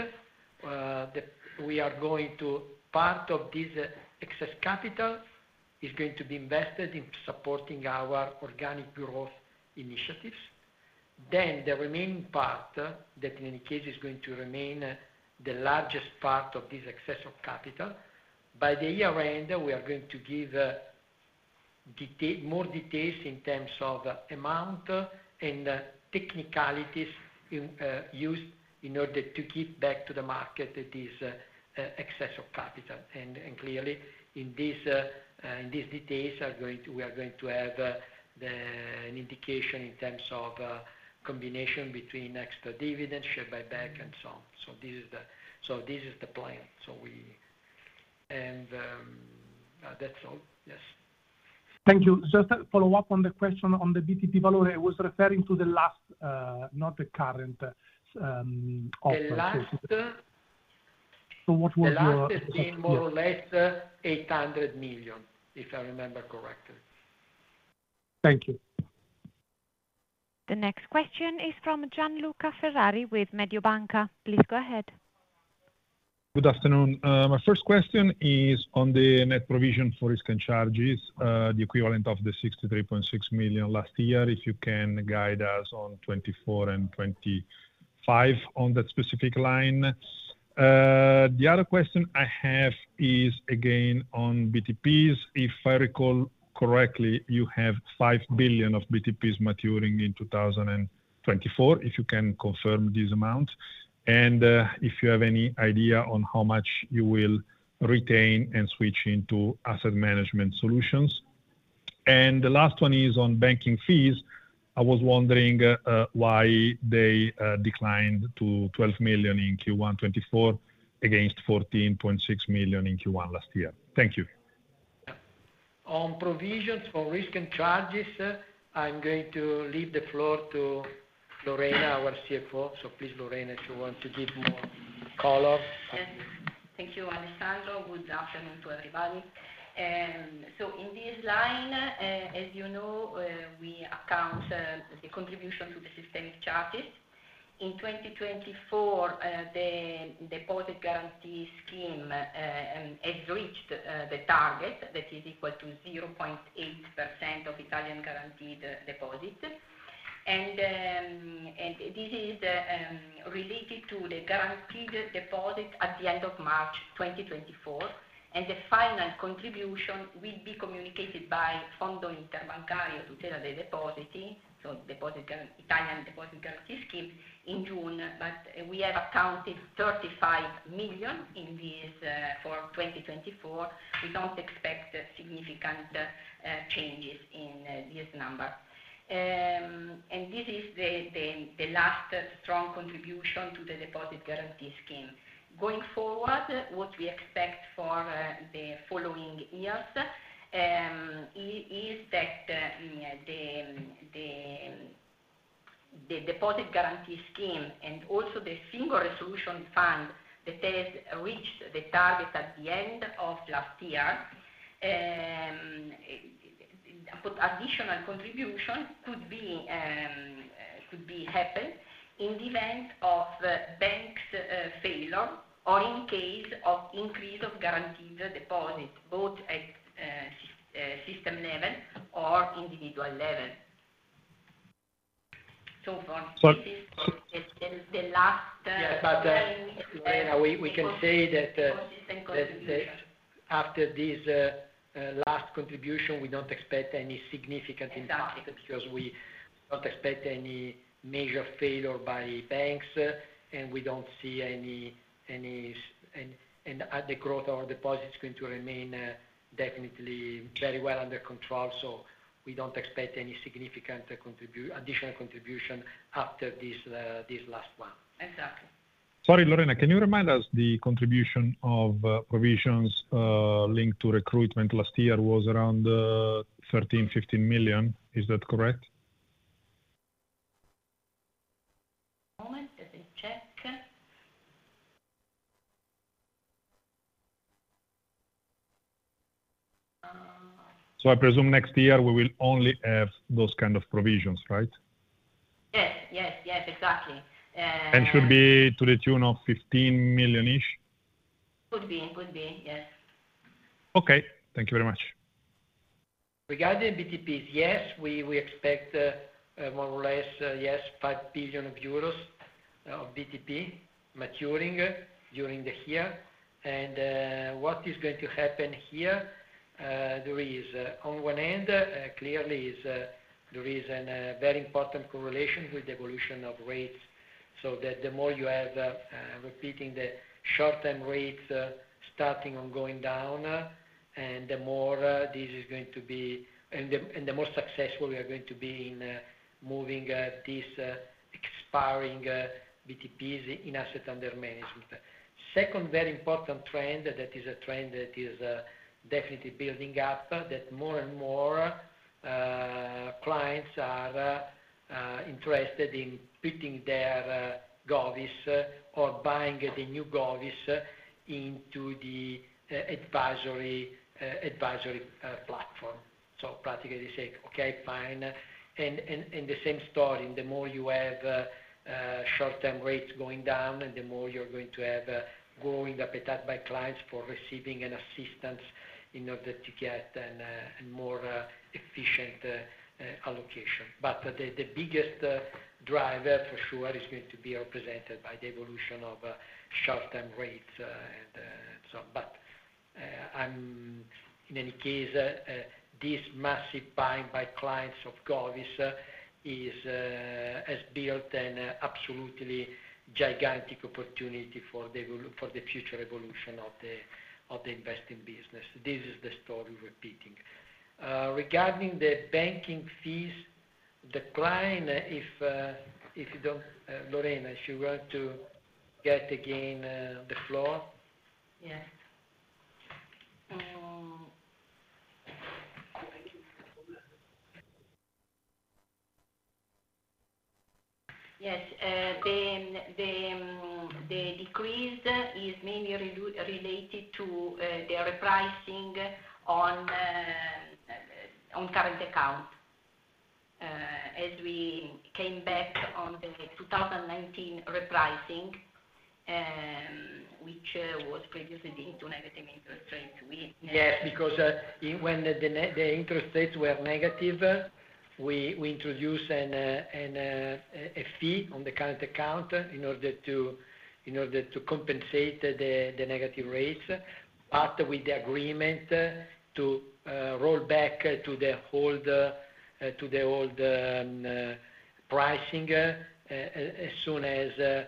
B: we are going to. Part of this excess capital is going to be invested in supporting our organic growth initiatives. Then the remaining part, that in any case, is going to remain the largest part of this excess of capital. By the year end, we are going to give detail, more details in terms of amount and technicalities used in order to give back to the market this excess of capital. And clearly, in these details we are going to have an indication in terms of a combination between extra dividend, share buyback, and so on. So this is the plan. So we... that's all. Yes.
E: Thank you. Just a follow-up on the question on the BTP Valore. I was referring to the last, not the current, offer.
B: The last-
E: So what was your-
B: The last is more or less 800 million, if I remember correctly.
E: Thank you.
A: The next question is from Gianluca Ferrari with Mediobanca. Please go ahead.
F: Good afternoon. My first question is on the net provision for risk and charges, the equivalent of 63.6 million last year. If you can guide us on 2024 and 2025 on that specific line. The other question I have is, again, on BTPs. If I recall correctly, you have 5 billion of BTPs maturing in 2024, if you can confirm this amount, and if you have any idea on how much you will retain and switch into asset management solutions. And the last one is on banking fees. I was wondering, why they declined to 12 million in Q1 2024, against 14.6 million in Q1 last year. Thank you.
B: On provisions for risk and charges, I'm going to leave the floor to Lorena, our CFO. So please, Lorena, if you want to give more color.
G: Yes. Thank you, Alessandro. Good afternoon to everybody. So in this line, as you know, we account the contribution to the systemic charges. In 2024, the Deposit Guarantee Scheme has reached the target that is equal to 0.8% of Italian guaranteed deposits. And this is related to the guaranteed deposit at the end of March 2024, and the final contribution will be communicated by Fondo Interbancario di Tutela dei Depositi, so Deposit Guarantee - Italian Deposit Guarantee Scheme, in June. But we have accounted 35 million in this for 2024. We don't expect significant changes in this number. And this is the last strong contribution to the Deposit Guarantee Scheme. Going forward, what we expect for the following years is that the Deposit Guarantee Scheme and also the Single Resolution Fund that has reached the target at the end of last year. But additional contribution could be happen in the event of bank's failure, or in case of increase of guaranteed deposit, both at system level or individual level. So for-
B: But-
G: This is the last contribution.
B: Yeah, but, Lorena, we can say that,
G: Consistent contribution.
B: That, after this last contribution, we don't expect any significant impact.
G: Exactly.
B: Because we don't expect any major failure by banks, and we don't see any. And the growth of our deposit is going to remain definitely very well under control. So we don't expect any significant additional contribution after this last one.
G: Exactly.
F: Sorry, Lorena, can you remind us the contribution of provisions linked to recruitment last year was around 13-15 million? Is that correct?
G: One moment. Let me check.
F: So I presume next year we will only have those kind of provisions, right?
G: Yes. Yes, yes, exactly.
F: Should be to the tune of 15 million-ish?
G: Could be. Could be, yes.
F: Okay, thank you very much.
B: Regarding BTPs, yes, we, we expect, more or less, yes, 5 billion euros of BTPs maturing during the year. And, what is going to happen here, there is, on one end, clearly is, there is an, very important correlation with the evolution of rates. So the, the more you have, repeating the short-term rates, starting on going down, and the more, this is going to be... And the, and the more successful we are going to be in, moving, this, expiring, BTPs into asset under management. Second very important trend, that is a trend that is, definitely building up, that more and more, clients are, interested in putting their, govies or buying the new govies into the advisory, advisory, platform. So practically saying, "Okay, fine." And the same story, the more you have short-term rates going down, and the more you're going to have a growing appetite by clients for receiving an assistance in order to get an a more efficient allocation. But the biggest driver for sure is going to be represented by the evolution of short-term rates, and so... But and in any case this massive buying by clients of govies is has built an absolutely gigantic opportunity for the evolu- for the future evolution of the of the investing business. This is the story repeating. Regarding the banking fees decline, if if you don't... Lorena, if you want to get again the floor?
G: Yes. Yes, the decrease is mainly related to the repricing on current account. As we came back on the 2019 repricing, which was previously into negative interest rate, we-
B: Yes, because when the interest rates were negative, we introduced a fee on the current account in order to compensate the negative rates. But with the agreement to roll back to the old pricing as soon as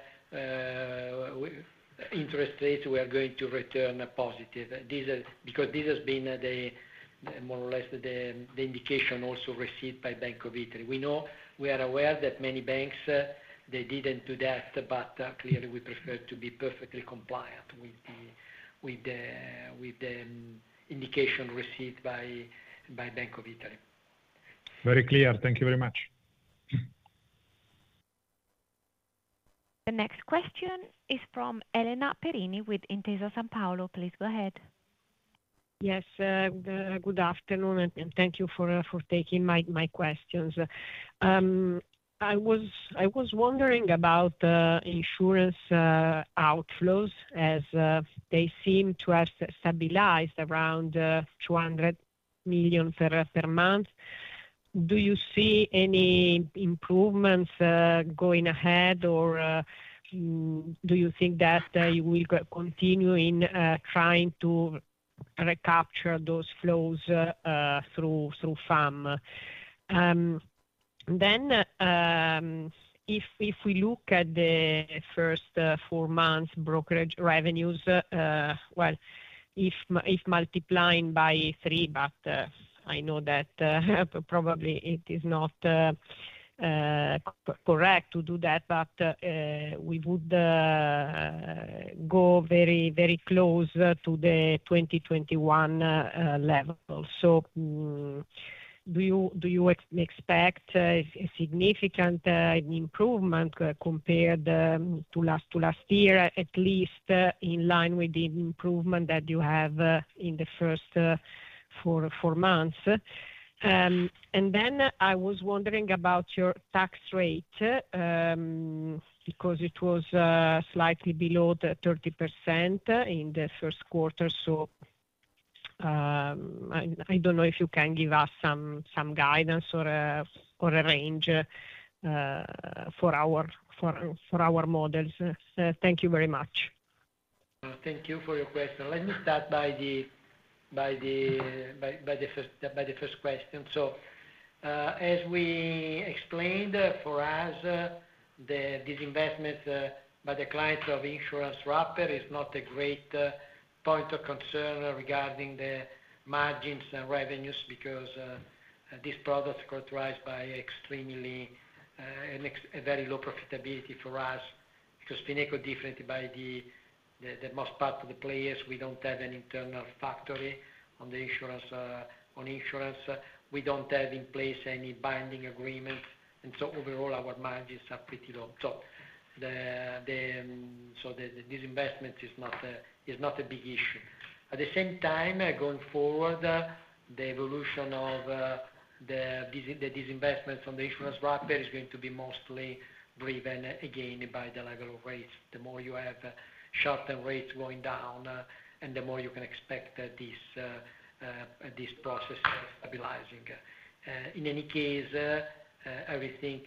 B: interest rates were going to return positive. This is because this has been, more or less, the indication also received by Bank of Italy. We know... We are aware that many banks they didn't do that, but clearly we prefer to be perfectly compliant with the indication received by Bank of Italy.
F: Very clear. Thank you very much.
A: The next question is from Elena Perini with Intesa Sanpaolo. Please go ahead.
H: Yes, good afternoon, and thank you for taking my questions. I was wondering about insurance outflows, as they seem to have stabilized around 200 million per month. Do you see any improvements going ahead? Or do you think that you will go continue in trying to recapture those flows through FAM? Then, if we look at the first four months brokerage revenues, well, if multiplying by three, but I know that probably it is not correct to do that, but we would go very, very close to the 2021 level. So, do you expect a significant improvement compared to last year, at least in line with the improvement that you have in the first four months? And then I was wondering about your tax rate, because it was slightly below the 30% in the first quarter. So, I don't know if you can give us some guidance or a range for our models. Thank you very much.
B: Thank you for your question. Let me start by the first question. So, as we explained, for us, this investment by the clients of insurance wrapper is not a great point of concern regarding the margins and revenues, because these products characterized by extremely low profitability for us. Because Fineco differently by the most part of the players, we don't have an internal factory on insurance. We don't have in place any binding agreement, and so overall, our margins are pretty low. So the disinvestment is not a big issue. At the same time, going forward, the evolution of the disinvestment from the insurance wrapper is going to be mostly driven again by the level of rates. The more you have short-term rates going down, and the more you can expect this process stabilizing. In any case, everything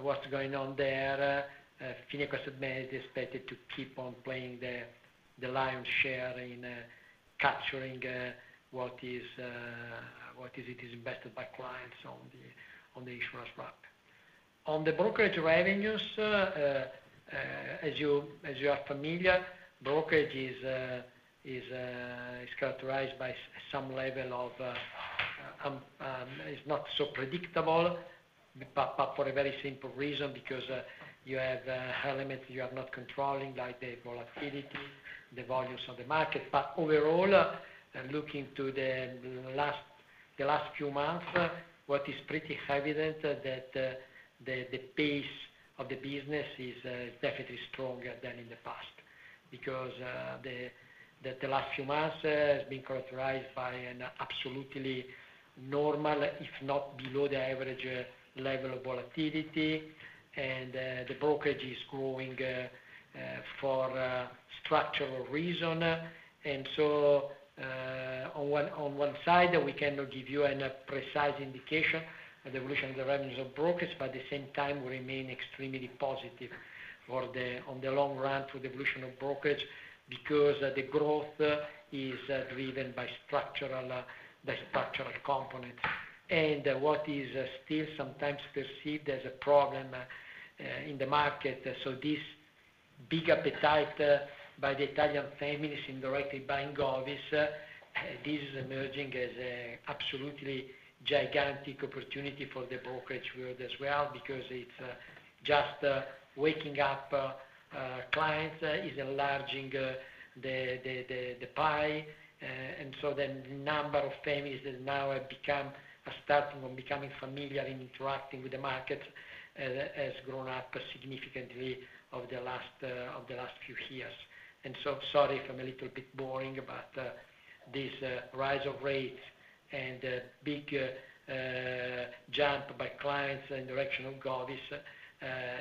B: what's going on there, Fineco is expected to keep on playing the lion's share in capturing what is invested by clients on the insurance wrap. On the brokerage revenues, as you are familiar, brokerage is characterized by some level of. It's not so predictable, but for a very simple reason, because you have elements you are not controlling, like the volatility, the volumes of the market. But overall, looking to the last few months, what is pretty evident that the pace of the business is definitely stronger than in the past. Because the last few months has been characterized by an absolutely normal, if not below the average, level of volatility, and the brokerage is growing for structural reason. On one side, we cannot give you a precise indication of the evolution of the revenues of brokerage, but at the same time, we remain extremely positive on the long run to the evolution of brokerage, because the growth is driven by structural components. What is still sometimes perceived as a problem in the market, so this big appetite by the Italian families indirectly buying govies, this is emerging as an absolutely gigantic opportunity for the brokerage world as well, because it's just waking up clients is enlarging the pie. And so the number of families that now have become, are starting from becoming familiar in interacting with the market has grown up significantly over the last few years. Sorry if I'm a little bit boring, but this rise of rates and big jump by clients in direction of govies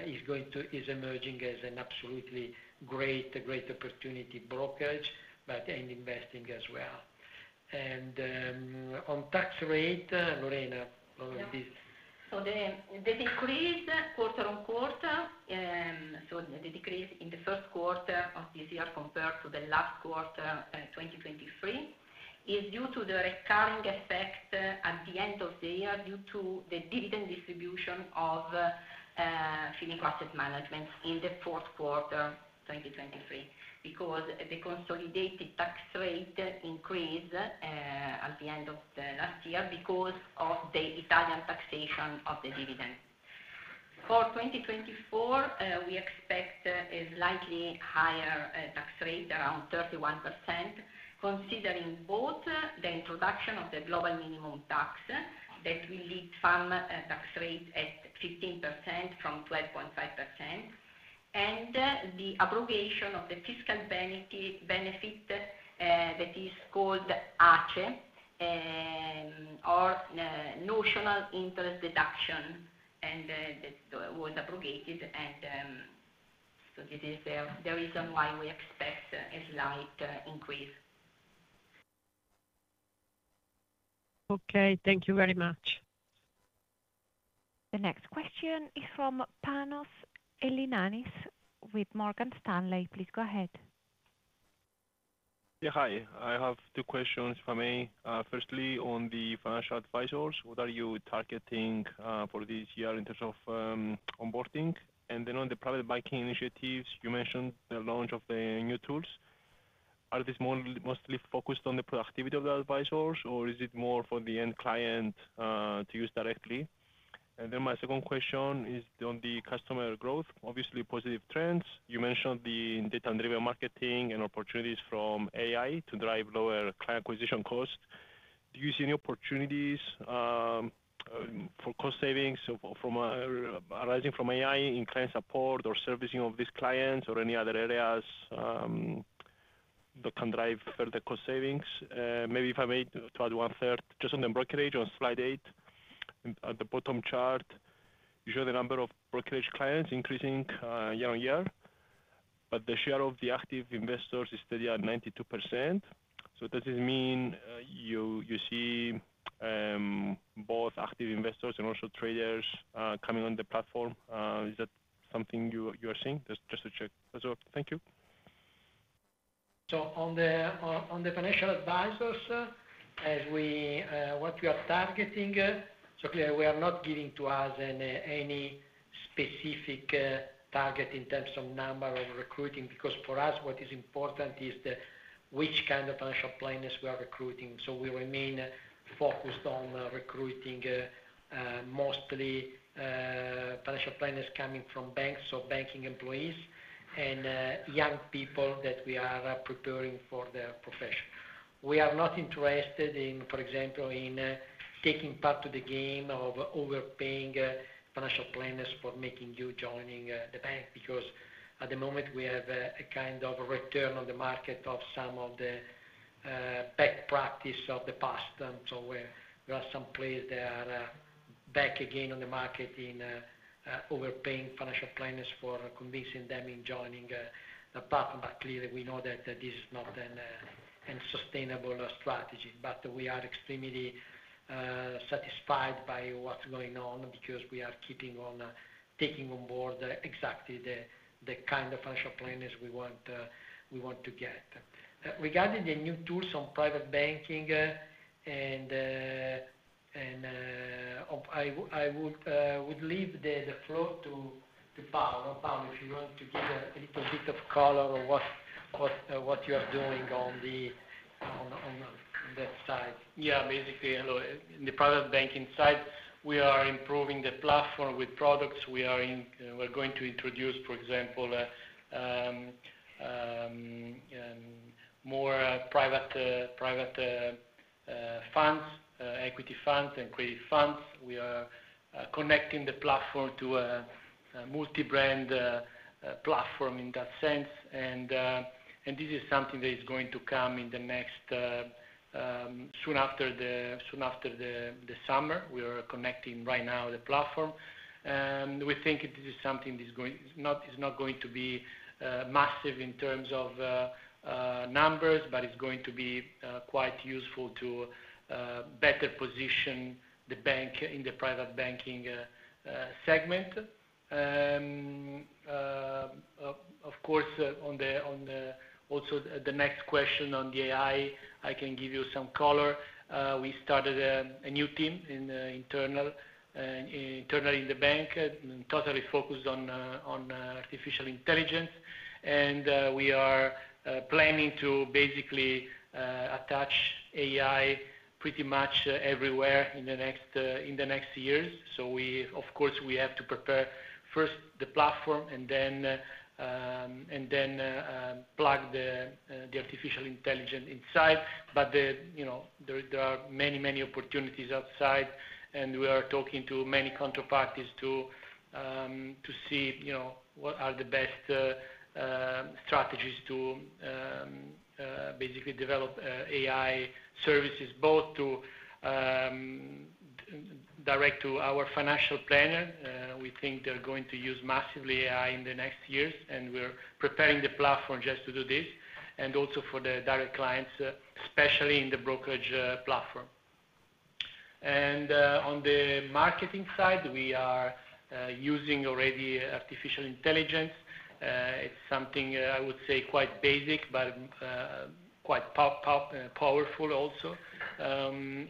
B: is going to, is emerging as an absolutely great, great opportunity brokerage, but and investing as well. On tax rate, Lorena, over this.
G: Yeah. So the decrease quarter-over-quarter, so the decrease in the first quarter of this year compared to the last quarter, 2023, is due to the recurring effect at the end of the year, due to the dividend distribution of Fineco Asset Management in the fourth quarter 2023. Because the consolidated tax rate increase at the end of the last year, because of the Italian taxation of the dividend. For 2024, we expect a slightly higher tax rate, around 31%, considering both the introduction of the Global Minimum Tax, that will lead Fineco tax rate at 15% from 12.5%, and the abrogation of the fiscal benefit that is called ACE, or notional interest deduction, and that was abrogated and-...
B: so this is the reason why we expect a slight increase.
H: Okay, thank you very much.
A: The next question is from Panos Ellinas with Morgan Stanley. Please go ahead.
I: Yeah. Hi, I have two questions for me. Firstly, on the financial advisors, what are you targeting for this year in terms of onboarding? And then on the private banking initiatives, you mentioned the launch of the new tools. Are these more mostly focused on the productivity of the advisors, or is it more for the end client to use directly? And then my second question is on the customer growth. Obviously, positive trends. You mentioned the data-driven marketing and opportunities from AI to drive lower client acquisition costs. Do you see any opportunities for cost savings from arising from AI in client support or servicing of these clients or any other areas that can drive further cost savings? Maybe if I may, to add one third, just on the brokerage on slide 8, at the bottom chart, you show the number of brokerage clients increasing year on year, but the share of the active investors is still at 92%. So does this mean you see both active investors and also traders coming on the platform? Is that something you are seeing? Just to check as well. Thank you.
B: So on the financial advisors, as we what we are targeting, so clear, we are not giving to us any specific target in terms of number of recruiting, because for us, what is important is the which kind of financial planners we are recruiting. So we remain focused on recruiting mostly financial planners coming from banks, so banking employees and young people that we are preparing for their profession. We are not interested in, for example, in taking part to the game of overpaying financial planners for making you joining the bank, because at the moment we have a kind of a return on the market of some of the bad practice of the past. And so we're... There are some players that are back again on the market in overpaying financial planners for convincing them in joining the platform. But clearly, we know that this is not a sustainable strategy. But we are extremely satisfied by what's going on because we are keeping on taking on board exactly the kind of financial planners we want to get. Regarding the new tools on private banking and I would leave the floor to Paolo. Paolo, if you want to give a little bit of color on what you are doing on that side.
J: Yeah, basically, hello. In the private banking side, we are improving the platform with products. We're going to introduce, for example, more private funds, equity funds and credit funds. We are connecting the platform to a multi-brand platform in that sense. And this is something that is going to come in the next soon after the summer. We are connecting right now the platform, and we think it is something that's going. Not, it's not going to be massive in terms of numbers, but it's going to be quite useful to better position the bank in the private banking segment. Of course, on the also the next question on the AI, I can give you some color. We started a new team internally in the bank, and totally focused on artificial intelligence. And, we are planning to basically attach AI pretty much everywhere in the next years. So we, of course, we have to prepare first the platform and then, and then, plug the artificial intelligence inside. But, you know, there are many, many opportunities outside, and we are talking to many counterparties to see, you know, what are the best strategies to basically develop AI services, both to direct to our financial planner. We think they're going to use massively AI in the next years, and we're preparing the platform just to do this, and also for the direct clients, especially in the brokerage platform. And on the marketing side, we are using already artificial intelligence. It's something I would say quite basic, but quite powerful also. And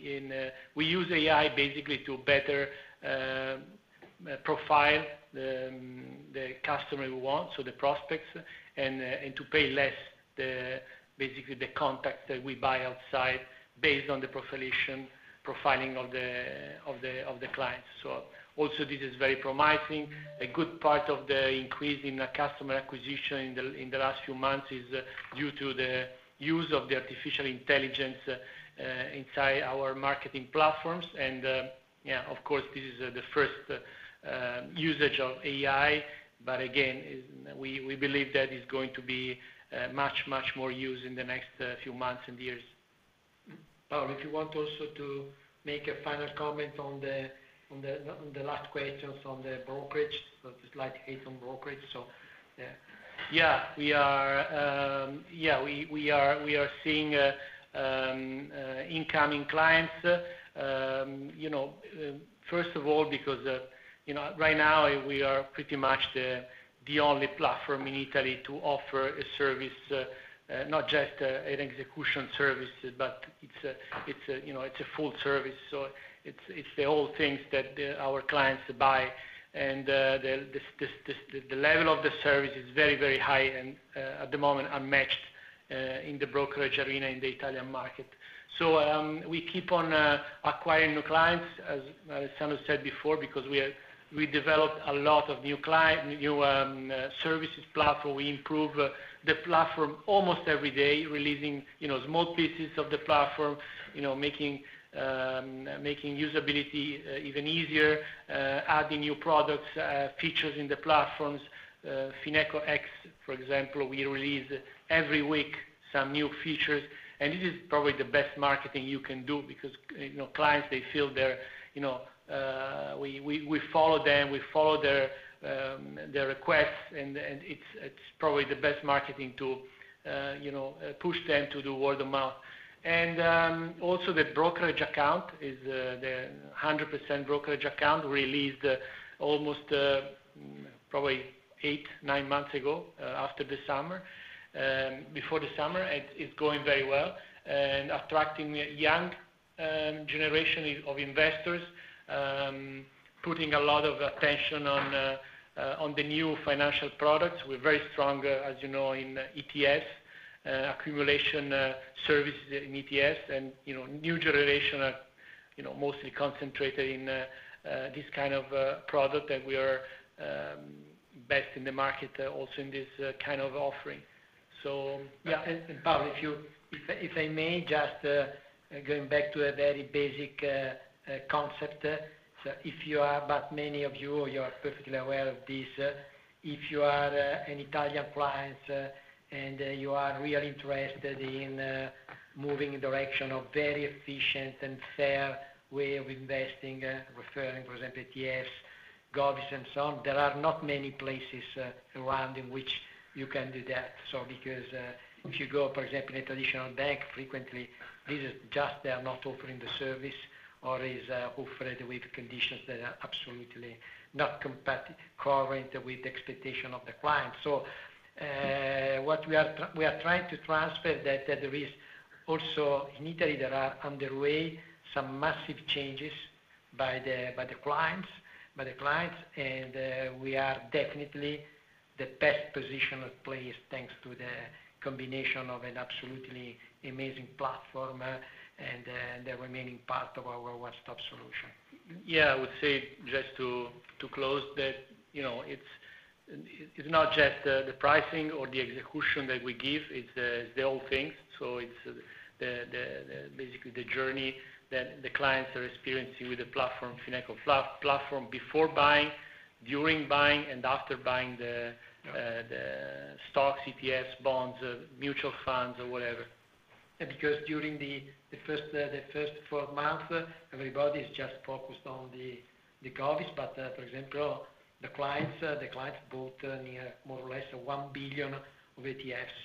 J: we use AI basically to better profile the customer we want, so the prospects, and to pay less basically the contacts that we buy outside based on the profilation, profiling of the clients. So also this is very promising. A good part of the increase in the customer acquisition in the last few months is due to the use of the artificial intelligence inside our marketing platforms. Yeah, of course, this is the first usage of AI, but again, we believe that is going to be much, much more used in the next few months and years.
B: ...Paolo, if you want also to make a final comment on the last questions on the brokerage. So just highlight on brokerage, so, yeah.
J: Yeah, we are seeing incoming clients. You know, first of all, because, you know, right now we are pretty much the, the only platform in Italy to offer a service, not just, an execution service, but it's a, it's a, you know, it's a full service, so it's, it's the whole things that the, our clients buy. And, the, this, this, the level of the service is very, very high and, at the moment, unmatched, in the brokerage arena in the Italian market. So, we keep on, acquiring new clients, as, as Sandro said before, because we are, we developed a lot of new client, new, services platform. We improve the platform almost every day, releasing, you know, small pieces of the platform, you know, making making usability even easier, adding new products, features in the platforms. FinecoX, for example, we release every week some new features, and this is probably the best marketing you can do because, you know, clients, they feel they're, you know, we, we, we follow them, we follow their their requests, and, and it's, it's probably the best marketing tool, you know, push them to do word of mouth. Also, the brokerage account is the, the 100% brokerage account released, almost, probably 8-9 months ago, after the summer, before the summer. And it's going very well, and attracting a young generation of investors, putting a lot of attention on the new financial products. We're very strong, as you know, in ETFs, accumulation service in ETFs and, you know, new generation are, you know, mostly concentrated in this kind of product, and we are best in the market also in this kind of offering. So, yeah-
B: Paolo, if I may just going back to a very basic concept. So, but many of you are perfectly aware of this, if you are an Italian client and you are really interested in moving in the direction of very efficient and fair way of investing, referring, for example, ETFs, govies, and so on, there are not many places around in which you can do that. So because if you go, for example, in a traditional bank, frequently they are just not offering the service or is offered with conditions that are absolutely not compatible with the current expectation of the client. So, what we are trying to transfer is that there is also, in Italy, there are underway some massive changes by the clients, and we are definitely the best positioned place, thanks to the combination of an absolutely amazing platform and the remaining part of our one-stop solution.
J: Yeah, I would say, just to close, that, you know, it's not just the pricing or the execution that we give, it's the whole thing. So it's basically the journey that the clients are experiencing with the platform, Fineco platform, before buying, during buying, and after buying the stock, ETFs, bonds, mutual funds or whatever.
B: Because during the first four months, everybody is just focused on the govies, but for example, the clients bought nearly more or less 1 billion of ETFs.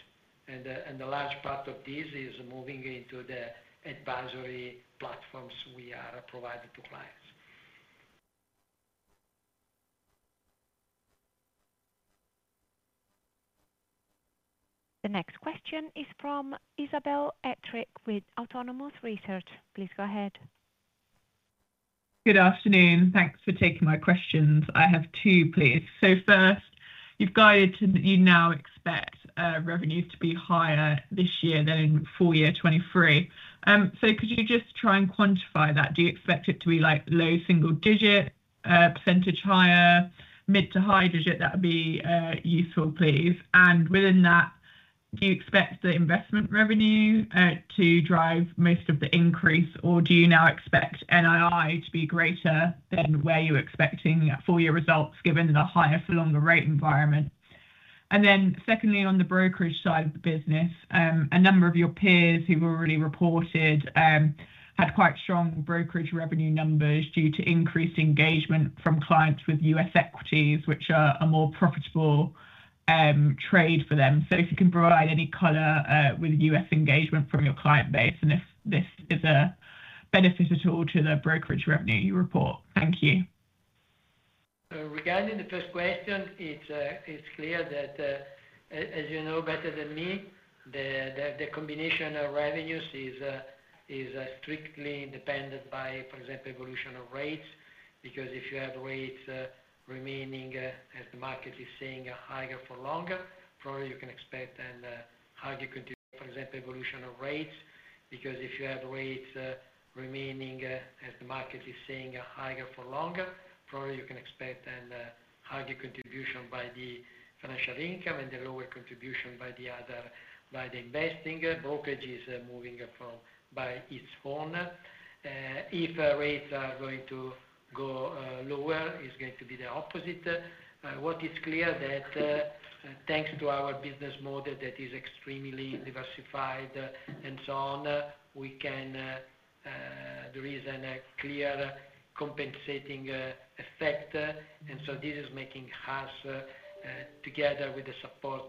B: And a large part of this is moving into the advisory platforms we are providing to clients.
A: The next question is from Isobel Hettrick with Autonomous Research. Please go ahead.
K: Good afternoon. Thanks for taking my questions. I have two, please. So first, you've guided to... You now expect revenue to be higher this year than in full year 2023. So could you just try and quantify that? Do you expect it to be like low single digit percentage higher, mid to high digit? That would be useful, please. And within that, do you expect the investment revenue to drive most of the increase, or do you now expect NII to be greater than where you were expecting at full year results, given the higher for longer rate environment? And then secondly, on the brokerage side of the business, a number of your peers who've already reported had quite strong brokerage revenue numbers due to increased engagement from clients with U.S. equities, which are a more profitable trade for them. So if you can provide any color, with U.S. engagement from your client base, and if this is a benefit at all to the brokerage revenue you report. Thank you.
B: Regarding the first question, it's, it's clear that, as you know better than me, the combination of revenues is strictly independent by, for example, evolution of rates. Because if you have rates, remaining, as the market is seeing a higher for longer, probably you can expect then, how you continue, for example, evolution of rates. Because if you have rates, remaining, as the market is seeing a higher for longer, probably you can expect higher contribution by the financial income and the lower contribution by the other, by the investing. Brokerage is moving up from, by its own. If rates are going to go lower, it's going to be the opposite. What is clear that, thanks to our business model that is extremely diversified and so on, we can, there is a clear compensating effect, and so this is making us, together with the support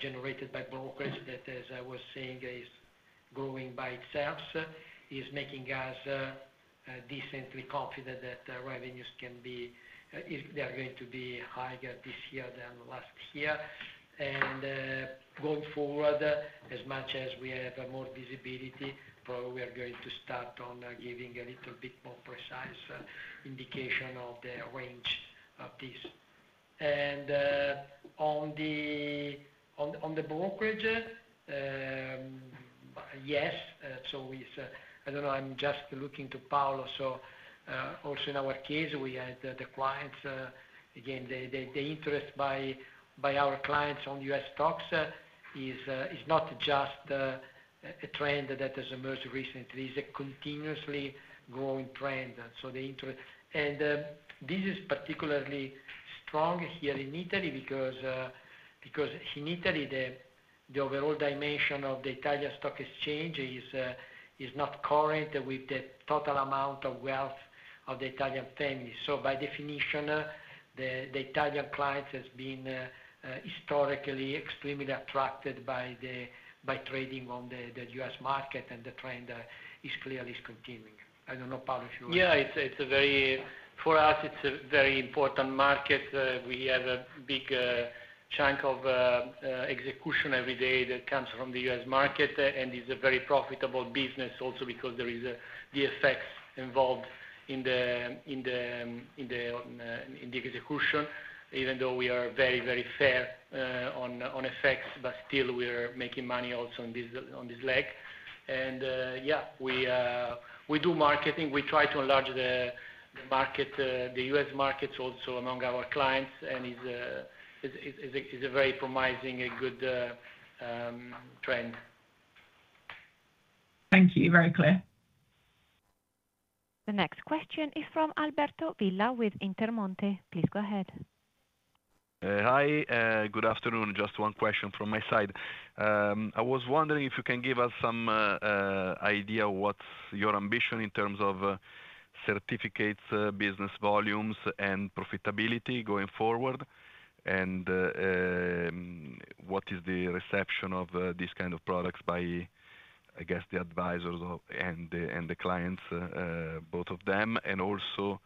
B: generated by brokerage, that, as I was saying, is growing by itself, is making us decently confident that revenues can be if they are going to be higher this year than last year. Going forward, as much as we have more visibility, probably we are going to start on giving a little bit more precise indication of the range of this. On the brokerage, yes, so it's, I don't know, I'm just looking to Paolo. So, also in our case, we had the clients, again, the interest by our clients on U.S. stocks is not just a trend that has emerged recently. It is a continuously growing trend. So the interest... And, this is particularly strong here in Italy, because in Italy, the overall dimension of the Italian Stock Exchange is not current with the total amount of wealth of the Italian families. So by definition, the Italian client has been historically extremely attracted by trading on the U.S. market, and the trend is clearly continuing. I don't know, Paolo, if you-
J: Yeah, it's a very... For us, it's a very important market. We have a big chunk of execution every day that comes from the U.S. market, and it's a very profitable business also because there is a, the FX involved in the execution, even though we are very, very fair on FX, but still we are making money also on this, on this leg. Yeah, we do marketing. We try to enlarge the market, the U.S. markets also among our clients, and it's a very promising and good trend.
K: Thank you. Very clear.
A: The next question is from Alberto Villa with Intermonte. Please go ahead.
L: Hi, good afternoon. Just one question from my side. I was wondering if you can give us some idea of what's your ambition in terms of certificates, business volumes, and profitability going forward? And, what is the reception of, these kind of products by, I guess, the advisors of, and the, and the clients, both of them, and also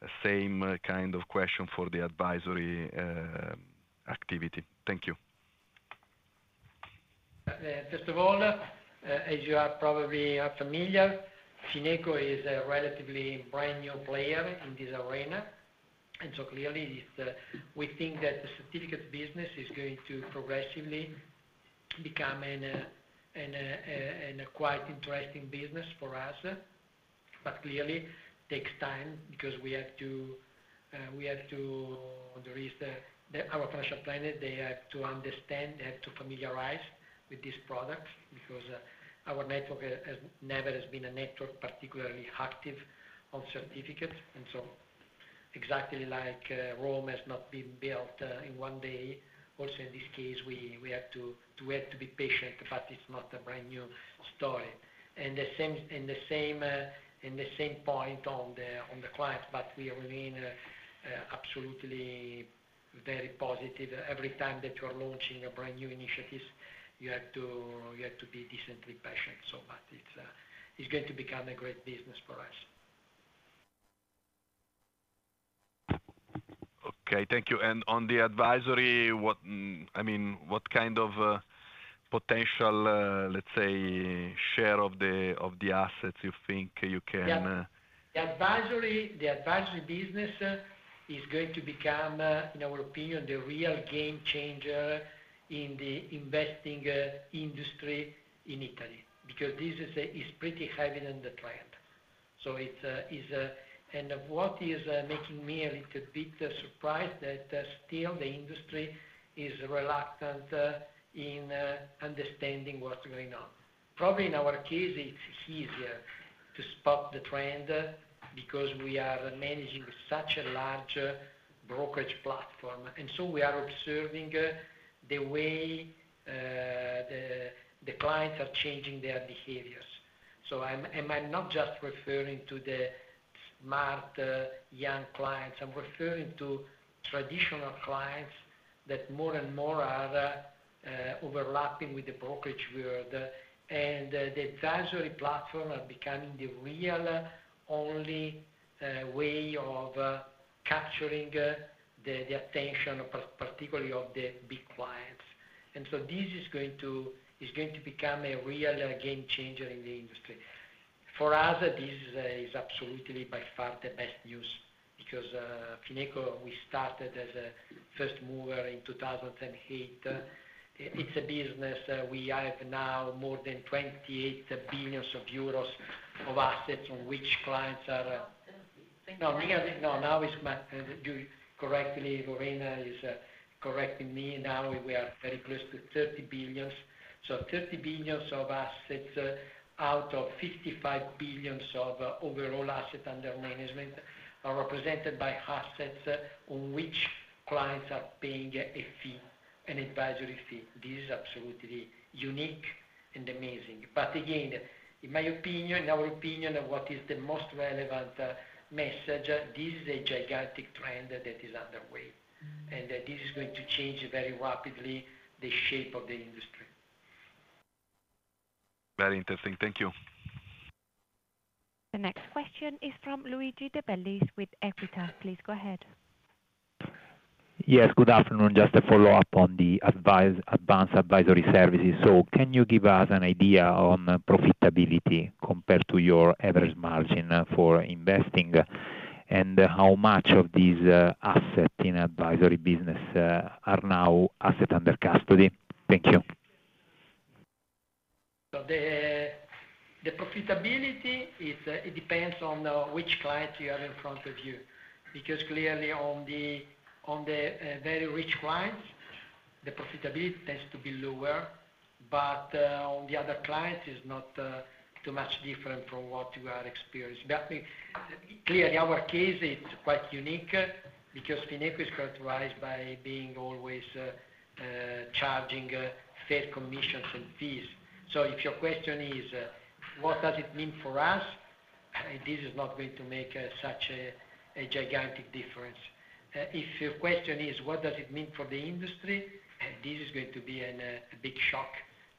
L: the same kind of question for the advisory, activity. Thank you.
B: First of all, as you are probably are familiar, Fineco is a relatively brand-new player in this arena, and so clearly, it's, we think that the certificate business is going to progressively become a quite interesting business for us. But clearly, it takes time because we have to, we have to. There is the, the—our financial planners, they have to understand, they have to familiarize with these products because, our network has never has been a network particularly active on certificates, and so exactly like, Rome has not been built, in one day, also in this case, we, we have to, to have to be patient, but it's not a brand-new story. And the same, and the same, and the same point on the, on the clients, but we remain, absolutely very positive. Every time that you are launching a brand-new initiatives, you have to, you have to be decently patient, so but it's, it's going to become a great business for us.
L: Okay, thank you. On the advisory, what, I mean, what kind of potential, let's say, share of the assets you think you can...
B: The advisory, the advisory business, is going to become, in our opinion, the real game changer in the investing industry in Italy, because this is pretty heavy in the trend. So it's... And what is making me a little bit surprised that still the industry is reluctant in understanding what's going on. Probably in our case, it's easier to spot the trend, because we are managing such a large brokerage platform, and so we are observing the way the clients are changing their behaviors. So I'm not just referring to the smart, young clients, I'm referring to traditional clients that more and more are overlapping with the brokerage world, and the advisory platform are becoming the real only way of capturing the attention, particularly of the big clients. And so this is going to become a real game changer in the industry. For us, this is absolutely by far the best news, because Fineco, we started as a first mover in 2008. It's a business, we have now more than 28 billion euros of assets, on which clients are... No, me, I think, no, now it's my, you correctly, Lorena is correcting me. Now we are very close to 30 billion. So 30 billion of assets out of 55 billion of overall assets under management are represented by assets on which clients are paying a fee, an advisory fee. This is absolutely unique and amazing. But again, in my opinion, in our opinion, of what is the most relevant message, this is a gigantic trend that is underway. And that this is going to change very rapidly the shape of the industry.
L: Very interesting. Thank you.
A: The next question is from Luigi De Bellis with Equita. Please go ahead.
M: Yes, good afternoon. Just a follow-up on the advice, advanced advisory services. Can you give us an idea on profitability compared to your average margin for investing? And how much of these assets in advisory business are now asset under custody? Thank you.
B: So the profitability is, it depends on which client you have in front of you, because clearly on the very rich clients, the profitability tends to be lower, but on the other clients, it's not too much different from what you are experienced. But clearly, our case is quite unique because Fineco is characterized by being always charging fair commissions and fees. So if your question is, what does it mean for us? This is not going to make such a gigantic difference. If your question is, what does it mean for the industry? This is going to be a big shock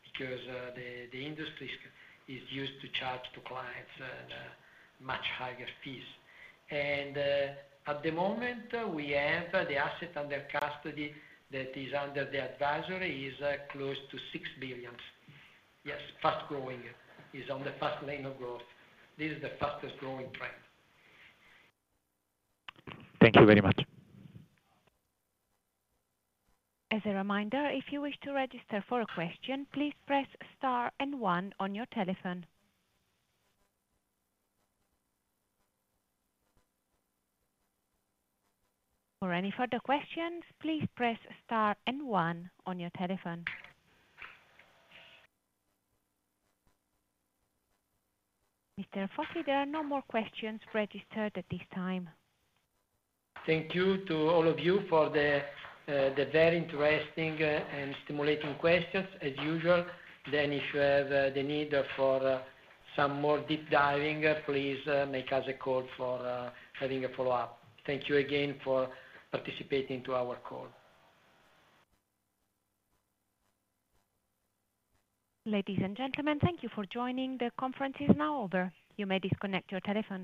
B: because the industry is used to charge to clients much higher fees. At the moment, we have the assets under custody that is under the advisory is close to 6 billion. Yes, fast growing. Is on the fast lane of growth. This is the fastest growing trend.
M: Thank you very much.
A: As a reminder, if you wish to register for a question, please press star and one on your telephone. For any further questions, please press star and one on your telephone. Mr. Foti, there are no more questions registered at this time.
B: Thank you to all of you for the very interesting and stimulating questions, as usual. Then if you have the need for some more deep diving, please make us a call for having a follow-up. Thank you again for participating to our call.
A: Ladies and gentlemen, thank you for joining. The conference is now over. You may disconnect your telephones.